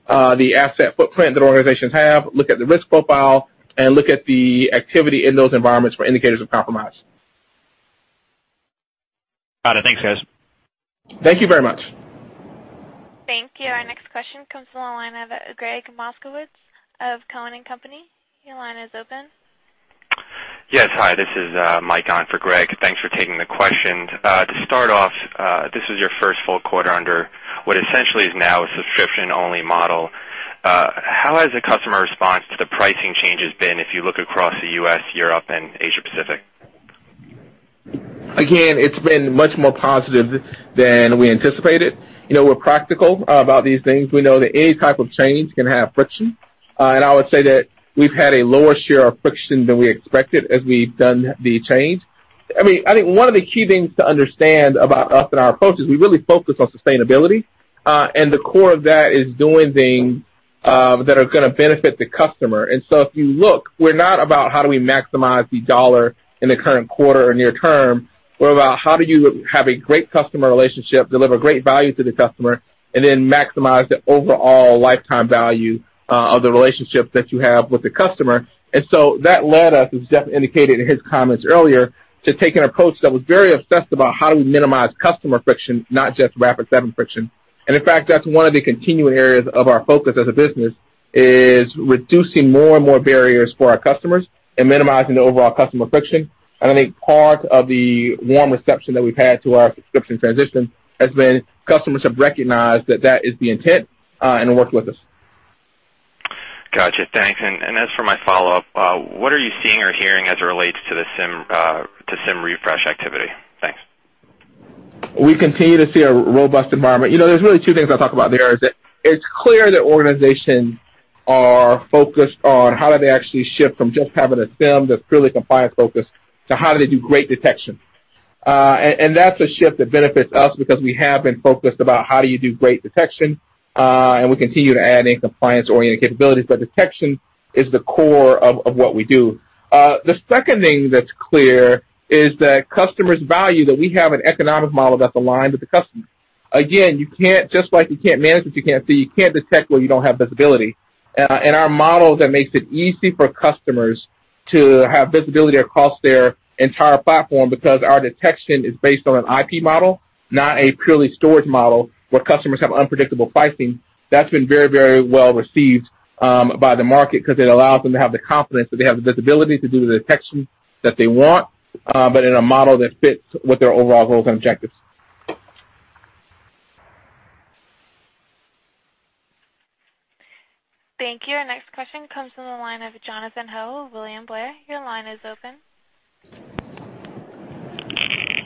the asset footprint that organizations have, look at the risk profile, and look at the activity in those environments for indicators of compromise.
Got it. Thanks, guys.
Thank you very much.
Thank you. Our next question comes from the line of Gregg Moskowitz of Cowen and Company. Your line is open.
Yes. Hi, this is Michael Turits on for Gregg Moskowitz. Thanks for taking the questions. To start off, this is your first full quarter under what essentially is now a subscription-only model. How has the customer response to the pricing changes been if you look across the U.S., Europe, and Asia Pacific?
Again, it's been much more positive than we anticipated. We're practical about these things. We know that any type of change can have friction. I would say that we've had a lower share of friction than we expected as we've done the change. I think one of the key things to understand about us and our approach is we really focus on sustainability. The core of that is doing things that are going to benefit the customer. If you look, we're not about how do we maximize the dollar in the current quarter or near term. We're about how do you have a great customer relationship, deliver great value to the customer, and then maximize the overall lifetime value of the relationship that you have with the customer. That led us, as Jeff indicated in his comments earlier, to take an approach that was very obsessed about how do we minimize customer friction, not just Rapid7 friction. In fact, that's one of the continuing areas of our focus as a business, is reducing more and more barriers for our customers and minimizing the overall customer friction. I think part of the warm reception that we've had to our subscription transition has been customers have recognized that that is the intent, and have worked with us.
Got you. Thanks. As for my follow-up, what are you seeing or hearing as it relates to the SIEM refresh activity? Thanks.
We continue to see a robust environment. There's really two things I'll talk about there, is that it's clear that organizations are focused on how do they actually shift from just having a SIEM that's purely compliance-focused to how do they do great detection. That's a shift that benefits us because we have been focused about how do you do great detection, and we continue to add in compliance-oriented capabilities. Detection is the core of what we do. The second thing that's clear is that customers value that we have an economic model that's aligned with the customer. Again, just like you can't manage what you can't see, you can't detect where you don't have visibility. Our model that makes it easy for customers to have visibility across their entire platform because our detection is based on an IP model, not a purely storage model where customers have unpredictable pricing. That's been very well received by the market because it allows them to have the confidence that they have the visibility to do the detection that they want, but in a model that fits with their overall goals and objectives.
Thank you. Our next question comes from the line of Jonathan Ho, William Blair. Your line is open.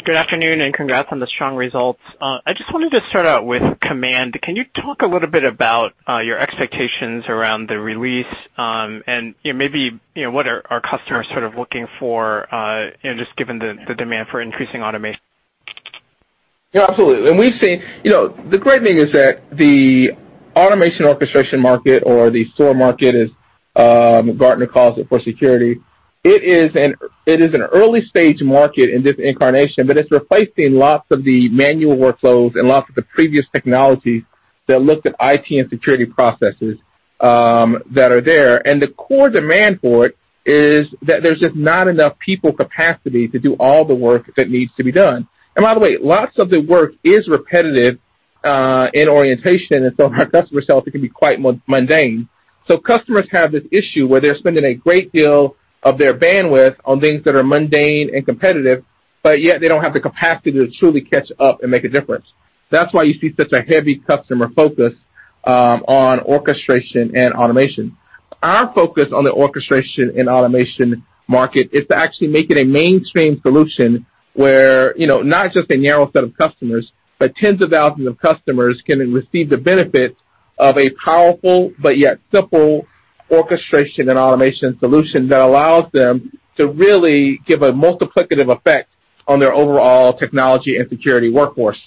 Good afternoon, and congrats on the strong results. I just wanted to start out with Komand. Can you talk a little bit about your expectations around the release? Maybe what are customers looking for, just given the demand for increasing automation?
Yeah, absolutely. The great thing is that the automation orchestration market or the SOAR market, as Gartner calls it, for security, it is an early-stage market in this incarnation, but it's replacing lots of the manual workflows and lots of the previous technologies that looked at IT and security processes that are there. The core demand for it is that there's just not enough people capacity to do all the work that needs to be done. By the way, lots of the work is repetitive in orientation, from our customer sales, it can be quite mundane. Customers have this issue where they're spending a great deal of their bandwidth on things that are mundane and competitive, but yet they don't have the capacity to truly catch up and make a difference. That's why you see such a heavy customer focus on orchestration and automation. Our focus on the orchestration and automation market is to actually make it a mainstream solution where not just a narrow set of customers, but 10s of thousands of customers can receive the benefit of a powerful but yet simple orchestration and automation solution that allows them to really give a multiplicative effect on their overall technology and security workforce.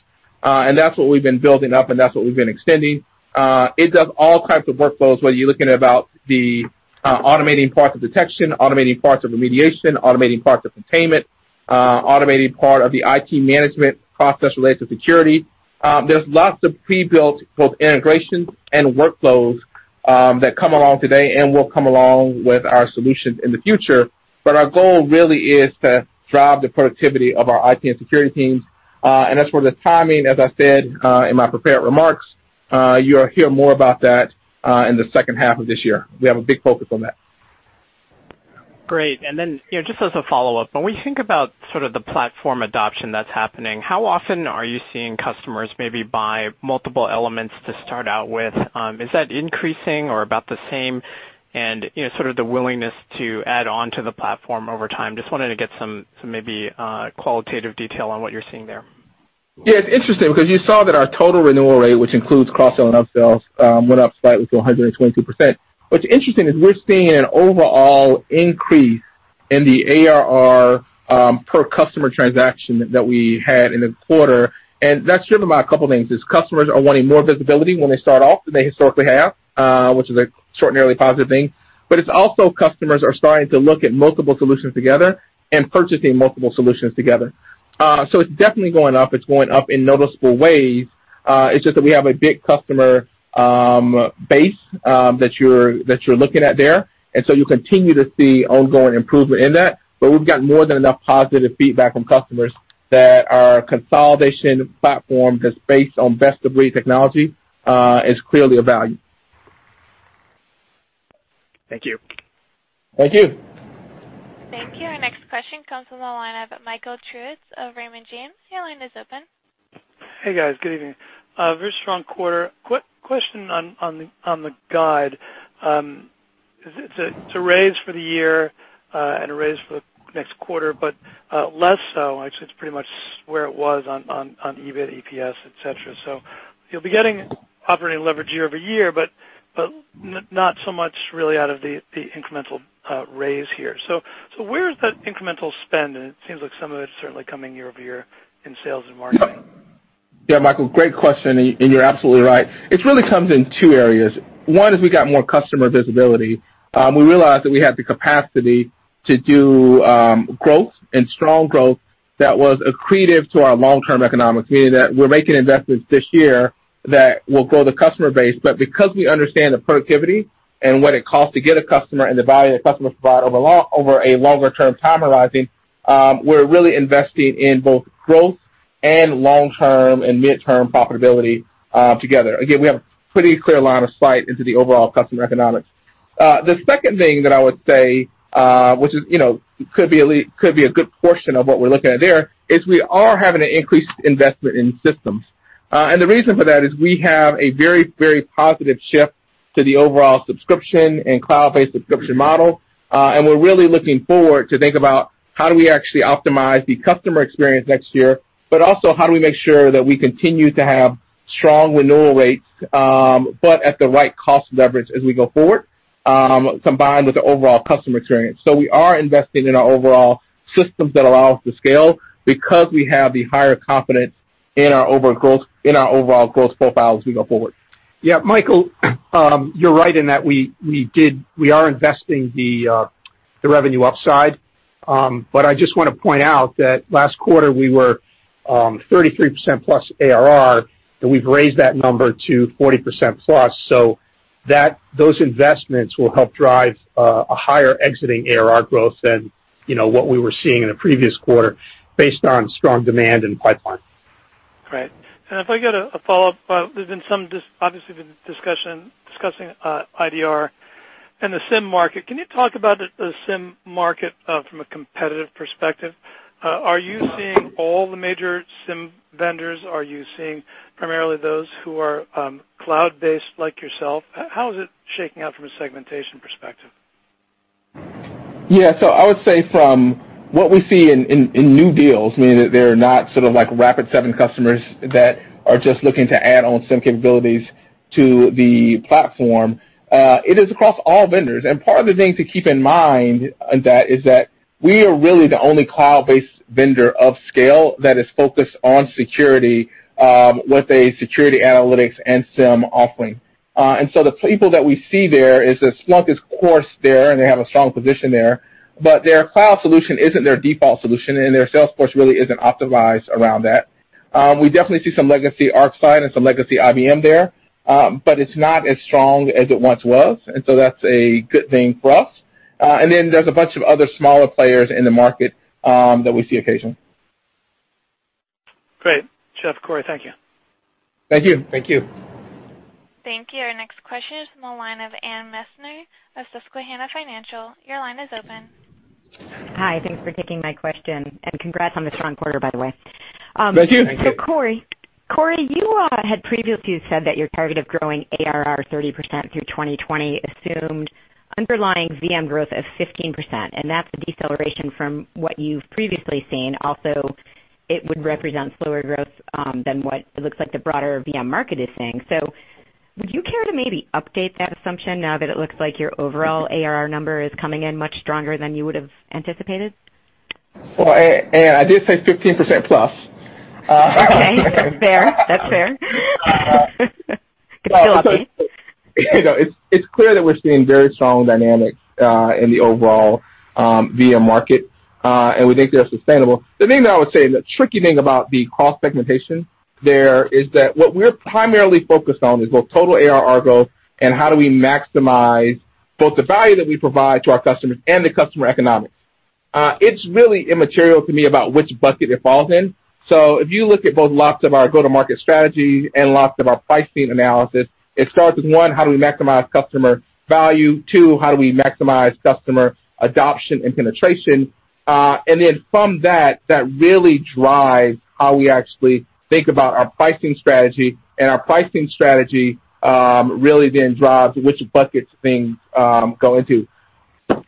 That's what we've been building up, and that's what we've been extending. It does all kinds of workflows, whether you're looking about the automating parts of detection, automating parts of remediation, automating parts of containment, automating part of the IT management process related to security. There's lots of pre-built both integrations and workflows that come along today and will come along with our solutions in the future. Our goal really is to drive the productivity of our IT and security teams, and that's where the timing, as I said in my prepared remarks, you'll hear more about that in the second half of this year. We have a big focus on that.
Great. Then just as a follow-up, when we think about the platform adoption that's happening, how often are you seeing customers maybe buy multiple elements to start out with? Is that increasing or about the same? The willingness to add on to the platform over time? Just wanted to get some maybe qualitative detail on what you're seeing there.
Yeah, it's interesting because you saw that our total renewal rate, which includes cross-sell and up-sells, went up slightly to 122%. What's interesting is we're seeing an overall increase in the ARR per customer transaction that we had in the quarter, and that's driven by a couple of things, is customers are wanting more visibility when they start off than they historically have, which is an extraordinarily positive thing. It's also customers are starting to look at multiple solutions together and purchasing multiple solutions together. It's definitely going up. It's going up in noticeable ways. It's just that we have a big customer base that you're looking at there, you continue to see ongoing improvement in that. We've got more than enough positive feedback from customers that our consolidation platform that's based on best-of-breed technology is clearly of value.
Thank you.
Thank you.
Thank you. Our next question comes from the line of Michael Turits of Raymond James. Your line is open.
Hey guys, good evening. Very strong quarter. Question on the guide. It's a raise for the year and a raise for the next quarter, but less so, it's pretty much where it was on EBIT, EPS, et cetera. You'll be getting operating leverage year-over-year, but not so much really out of the incremental raise here. Where is that incremental spend? It seems like some of it's certainly coming year-over-year in sales and marketing.
Yeah, Michael, great question, and you're absolutely right. It really comes in two areas. One is we got more customer visibility. We realized that we had the capacity to do growth and strong growth that was accretive to our long-term economics, meaning that we're making investments this year that will grow the customer base. Because we understand the productivity and what it costs to get a customer and the value that customers provide over a longer-term time horizon, we're really investing in both growth and long-term and mid-term profitability together. Again, we have a pretty clear line of sight into the overall customer economics. The second thing that I would say, which could be a good portion of what we're looking at there, is we are having an increased investment in systems. The reason for that is we have a very positive shift to the overall subscription and cloud-based subscription model. We're really looking forward to think about how do we actually optimize the customer experience next year, but also how do we make sure that we continue to have strong renewal rates, but at the right cost leverage as we go forward, combined with the overall customer experience. We are investing in our overall systems that allow us to scale because we have the higher confidence in our overall growth profile as we go forward.
Yeah, Michael, you're right in that we are investing the revenue upside. I just want to point out that last quarter we were 33% plus ARR, and we've raised that number to 40% plus. Those investments will help drive a higher exiting ARR growth than what we were seeing in the previous quarter based on strong demand and pipeline.
Great. If I get a follow-up, there's obviously been discussion discussing IDR and the SIEM market. Can you talk about the SIEM market from a competitive perspective? Are you seeing all the major SIEM vendors? Are you seeing primarily those who are cloud-based like yourself? How is it shaking out from a segmentation perspective?
Yeah. I would say from what we see in new deals, meaning that they're not sort of like Rapid7 customers that are just looking to add on some capabilities to the platform, it is across all vendors. Part of the thing to keep in mind in that is that we are really the only cloud-based vendor of scale that is focused on security with a security analytics and SIEM offering. The people that we see there is that Splunk is of course there, and they have a strong position there, but their cloud solution isn't their default solution, and their sales force really isn't optimized around that. We definitely see some legacy ArcSight and some legacy IBM there, but it's not as strong as it once was, that's a good thing for us. There's a bunch of other smaller players in the market that we see occasionally.
Great. Jeff, Corey, thank you.
Thank you.
Thank you.
Thank you. Our next question is from the line of Anne Messner of Susquehanna Financial. Your line is open.
Hi. Thanks for taking my question, congrats on the strong quarter, by the way.
Thank you.
Thank you.
Corey, you had previously said that your target of growing ARR 30% through 2020 assumed underlying VM growth of 15%, and that's a deceleration from what you've previously seen. Also, it would represent slower growth than what it looks like the broader VM market is seeing. Would you care to maybe update that assumption now that it looks like your overall ARR number is coming in much stronger than you would have anticipated?
Anne, I did say 15% plus.
Okay, fair. That's fair. Could still be.
It's clear that we're seeing very strong dynamics in the overall VM market, and we think they're sustainable. The thing that I would say, the tricky thing about the cost segmentation there is that what we're primarily focused on is both total ARR growth and how do we maximize both the value that we provide to our customers and the customer economics. It's really immaterial to me about which bucket it falls in. If you look at both lots of our go-to-market strategy and lots of our pricing analysis, it starts with, one, how do we maximize customer value? Two, how do we maximize customer adoption and penetration? From that really drives how we actually think about our pricing strategy, Our pricing strategy really then drives which buckets things go into.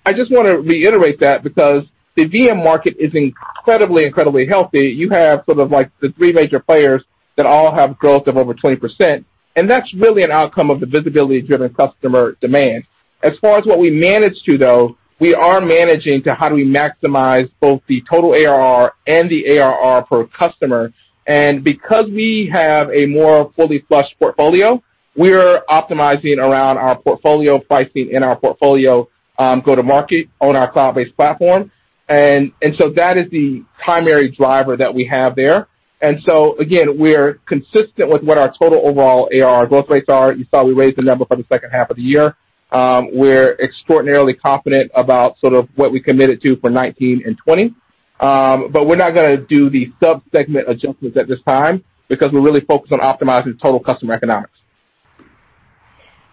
I just want to reiterate that because the VM market is incredibly healthy. You have sort of like the three major players that all have growth of over 20%, and that's really an outcome of the visibility-driven customer demand. As far as what we manage to though, we are managing to how do we maximize both the total ARR and the ARR per customer. Because we have a more fully flushed portfolio, we're optimizing around our portfolio pricing and our portfolio go to market on our cloud-based platform. That is the primary driver that we have there. Again, we're consistent with what our total overall ARR growth rates are. You saw we raised the number for the second half of the year. We're extraordinarily confident about sort of what we committed to for 2019 and 2020. We're not going to do the sub-segment adjustments at this time because we're really focused on optimizing total customer economics.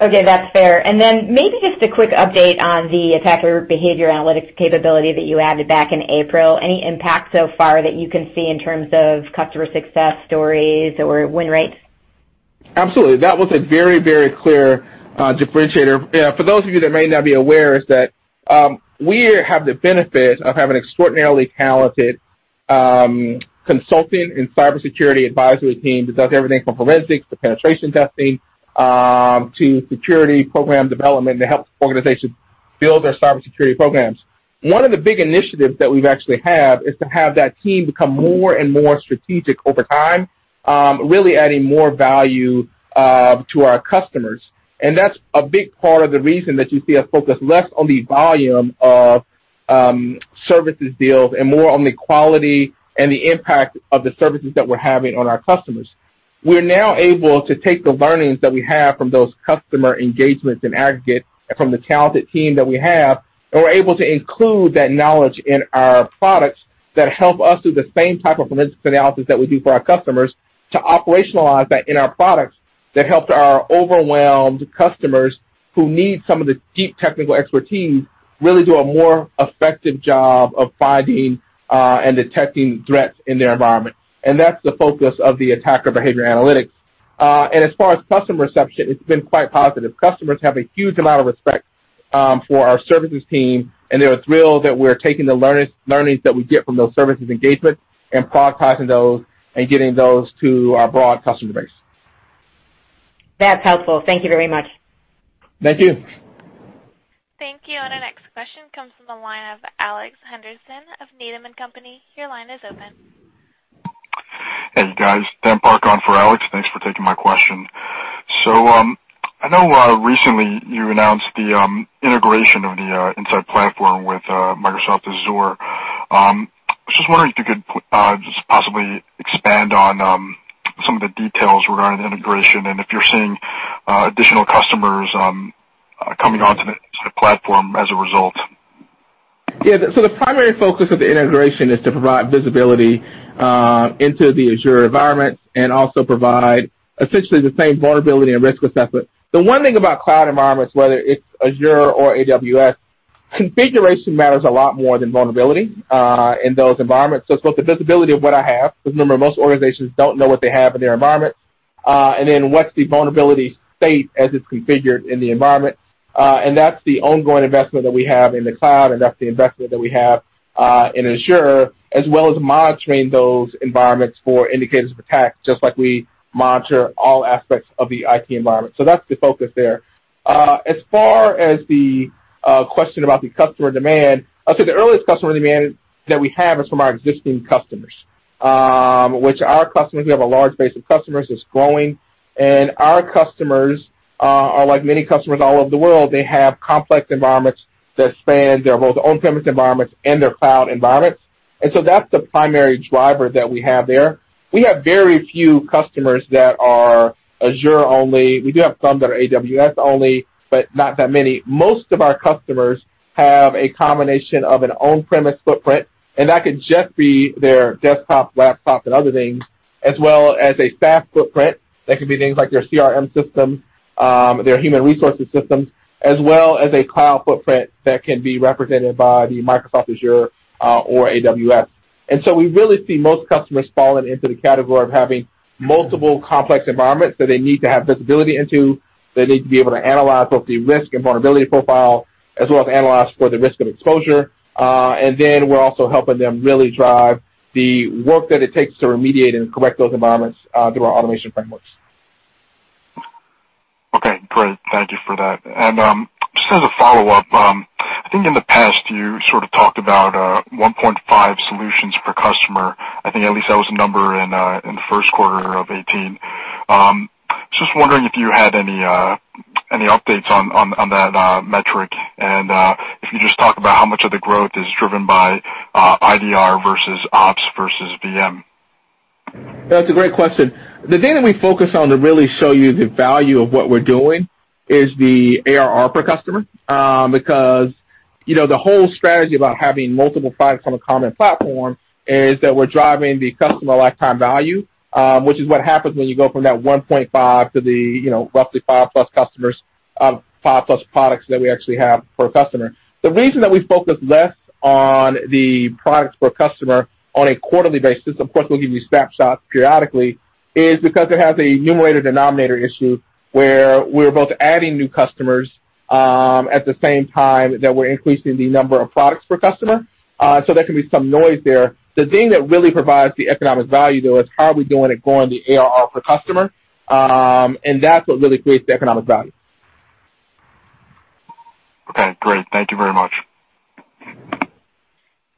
Okay, that's fair. Maybe just a quick update on the attacker behavior analytics capability that you added back in April. Any impact so far that you can see in terms of customer success stories or win rates?
Absolutely. That was a very clear differentiator. For those of you that may not be aware, is that we have the benefit of having extraordinarily talented consulting and cybersecurity advisory team that does everything from forensics to penetration testing, to security program development to help organizations build their cybersecurity programs. One of the big initiatives that we've actually have is to have that team become more and more strategic over time, really adding more value to our customers. That's a big part of the reason that you see us focus less on the volume of services deals and more on the quality and the impact of the services that we're having on our customers. We're now able to take the learnings that we have from those customer engagements in aggregate and from the talented team that we have and we're able to include that knowledge in our products that help us do the same type of analysis that we do for our customers to operationalize that in our products that help our overwhelmed customers who need some of the deep technical expertise, really do a more effective job of finding and detecting threats in their environment. That's the focus of the attacker behavior analytics. As far as customer reception, it's been quite positive. Customers have a huge amount of respect for our services team, and they're thrilled that we're taking the learnings that we get from those services engagements and prioritizing those and getting those to our broad customer base.
That's helpful. Thank you very much.
Thank you.
Thank you. Our next question comes from the line of Alex Henderson of Needham & Company. Your line is open.
Hey, guys. Dan Park on for Alex. Thanks for taking my question. I know recently you announced the integration of the Insight platform with Microsoft Azure. I was just wondering if you could just possibly expand on some of the details regarding the integration and if you're seeing additional customers coming onto the platform as a result.
Yeah. The primary focus of the integration is to provide visibility into the Azure environment and also provide essentially the same vulnerability and risk assessment. The one thing about cloud environments, whether it's Azure or AWS, configuration matters a lot more than vulnerability in those environments. It's both the visibility of what I have, because remember, most organizations don't know what they have in their environment, and then what's the vulnerability state as it's configured in the environment. That's the ongoing investment that we have in the cloud, and that's the investment that we have in Azure, as well as monitoring those environments for indicators of attack, just like we monitor all aspects of the IT environment. That's the focus there. As far as the question about the customer demand, I'll say the earliest customer demand that we have is from our existing customers, which our customers, we have a large base of customers, it's growing, and our customers are like many customers all over the world. They have complex environments that span their both on-premise environments and their cloud environments. That's the primary driver that we have there. We have very few customers that are Azure only. We do have some that are AWS only, but not that many. Most of our customers have a combination of an on-premise footprint, and that could just be their desktop, laptop, and other things, as well as a SaaS footprint that could be things like their CRM system, their human resources system, as well as a cloud footprint that can be represented by the Microsoft Azure or AWS. We really see most customers falling into the category of having multiple complex environments that they need to have visibility into, they need to be able to analyze both the risk and vulnerability profile, as well as analyze for the risk of exposure. We're also helping them really drive the work that it takes to remediate and correct those environments through our automation frameworks.
Okay, great. Thank you for that. Just as a follow-up, I think in the past you talked about, 1.5 solutions per customer. I think at least that was the number in first quarter of 2018. Just wondering if you had any updates on that metric and if you just talk about how much of the growth is driven by IDR versus ops versus VM.
That's a great question. The data we focus on to really show you the value of what we're doing is the ARR per customer. The whole strategy about having multiple products on a common platform is that we're driving the customer lifetime value, which is what happens when you go from that 1.5 to the roughly five-plus customers, five-plus products that we actually have per customer. The reason that we focus less on the products per customer on a quarterly basis, of course, we'll give you snapshots periodically, is because it has a numerator/denominator issue where we're both adding new customers at the same time that we're increasing the number of products per customer. There can be some noise there. The thing that really provides the economic value, though, is how are we doing at growing the ARR per customer? That's what really creates the economic value.
Okay, great. Thank you very much.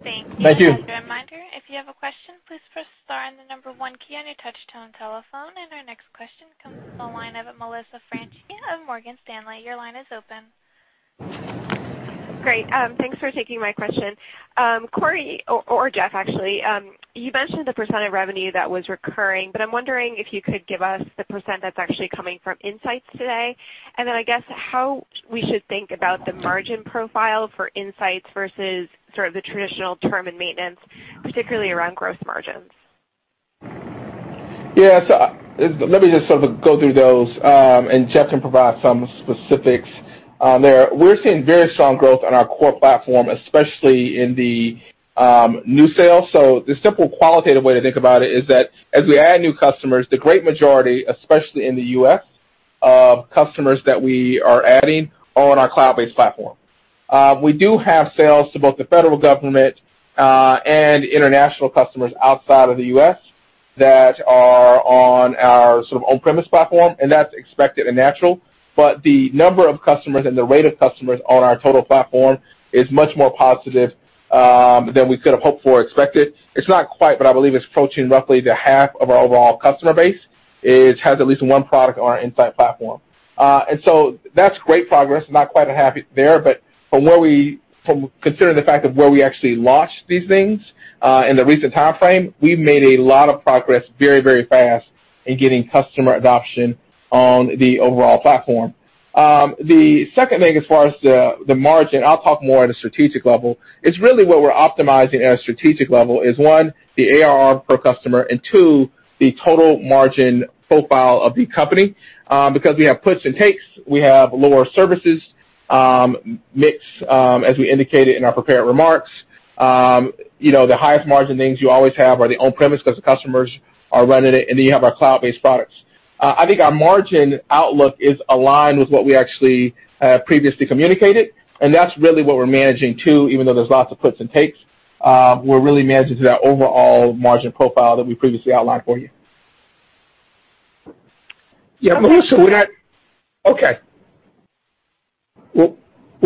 Thank you.
Thanks. As a reminder, if you have a question, please press star and the number one key on your touch-tone telephone. Our next question comes from the line of Melissa Franchi of Morgan Stanley. Your line is open.
Great. Thanks for taking my question. Corey, or Jeff, actually, you mentioned the % of revenue that was recurring, but I'm wondering if you could give us the % that's actually coming from Insight today. Then I guess how we should think about the margin profile for Insight versus the traditional term and maintenance, particularly around gross margins.
Yes. Let me just go through those, and Jeff can provide some specifics there. We're seeing very strong growth on our core platform, especially in the new sales. The simple qualitative way to think about it is that as we add new customers, the great majority, especially in the U.S., of customers that we are adding are on our cloud-based platform. We do have sales to both the federal government and international customers outside of the U.S. that are on our on-premise platform, and that's expected and natural. The number of customers and the rate of customers on our total platform is much more positive than we could have hoped for or expected. It's not quite, but I believe it's approaching roughly the half of our overall customer base has at least one product on our Insight platform. That's great progress. Not quite happy there, but considering the fact of where we actually launched these things in the recent timeframe, we've made a lot of progress very fast in getting customer adoption on the overall platform. The second thing, as far as the margin, I'll talk more at a strategic level, is really what we're optimizing at a strategic level is, 1, the ARR per customer, and 2, the total margin profile of the company. We have puts and takes, we have lower services mix as we indicated in our prepared remarks. The highest margin things you always have are the on-premise because the customers are running it, and then you have our cloud-based products. I think our margin outlook is aligned with what we actually previously communicated, and that's really what we're managing to, even though there's lots of puts and takes. We're really managing to that overall margin profile that we previously outlined for you.
Yeah, Melissa. What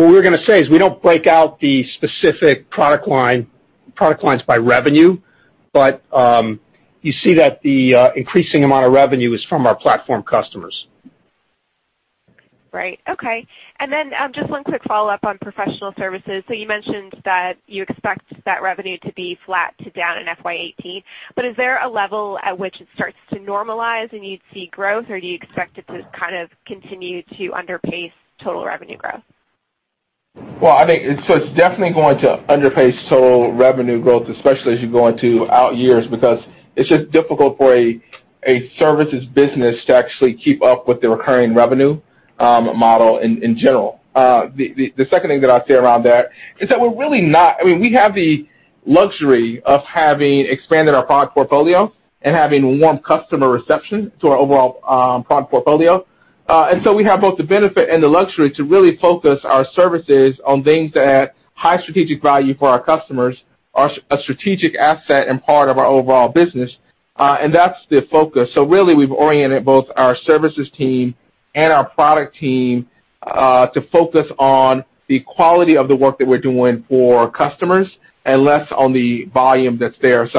we were going to say is we don't break out the specific product lines by revenue, but you see that the increasing amount of revenue is from our platform customers.
Right. Okay. Just one quick follow-up on professional services. You mentioned that you expect that revenue to be flat to down in FY 2018, is there a level at which it starts to normalize and you'd see growth, or do you expect it to kind of continue to underpace total revenue growth?
Well, I think it's definitely going to underpace total revenue growth, especially as you go into out years, because it's just difficult for a services business to actually keep up with the recurring revenue model in general. The second thing that I'd say around that is that we have the luxury of having expanded our product portfolio and having warm customer reception to our overall product portfolio. We have both the benefit and the luxury to really focus our services on things that add high strategic value for our customers, are a strategic asset and part of our overall business. That's the focus. Really, we've oriented both our services team and our product team to focus on the quality of the work that we're doing for customers and less on the volume that's there.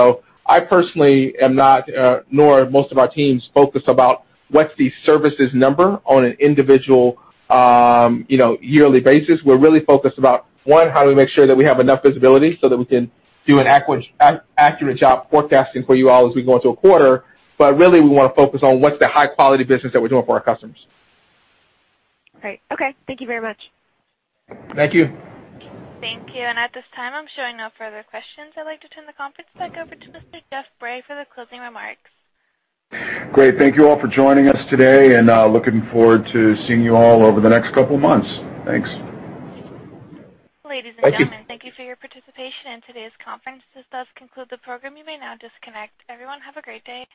I personally am not, nor are most of our teams, focused about what's the services number on an individual yearly basis. We're really focused about, one, how do we make sure that we have enough visibility so that we can do an accurate job forecasting for you all as we go into a quarter. Really, we want to focus on what's the high-quality business that we're doing for our customers.
Great. Okay. Thank you very much.
Thank you.
Thank you. At this time, I'm showing no further questions. I'd like to turn the conference back over to Mr. Jeff Bray for the closing remarks.
Great. Thank you all for joining us today, looking forward to seeing you all over the next couple of months. Thanks.
Thank you.
Ladies and gentlemen, thank you for your participation in today's conference. This does conclude the program. You may now disconnect. Everyone, have a great day.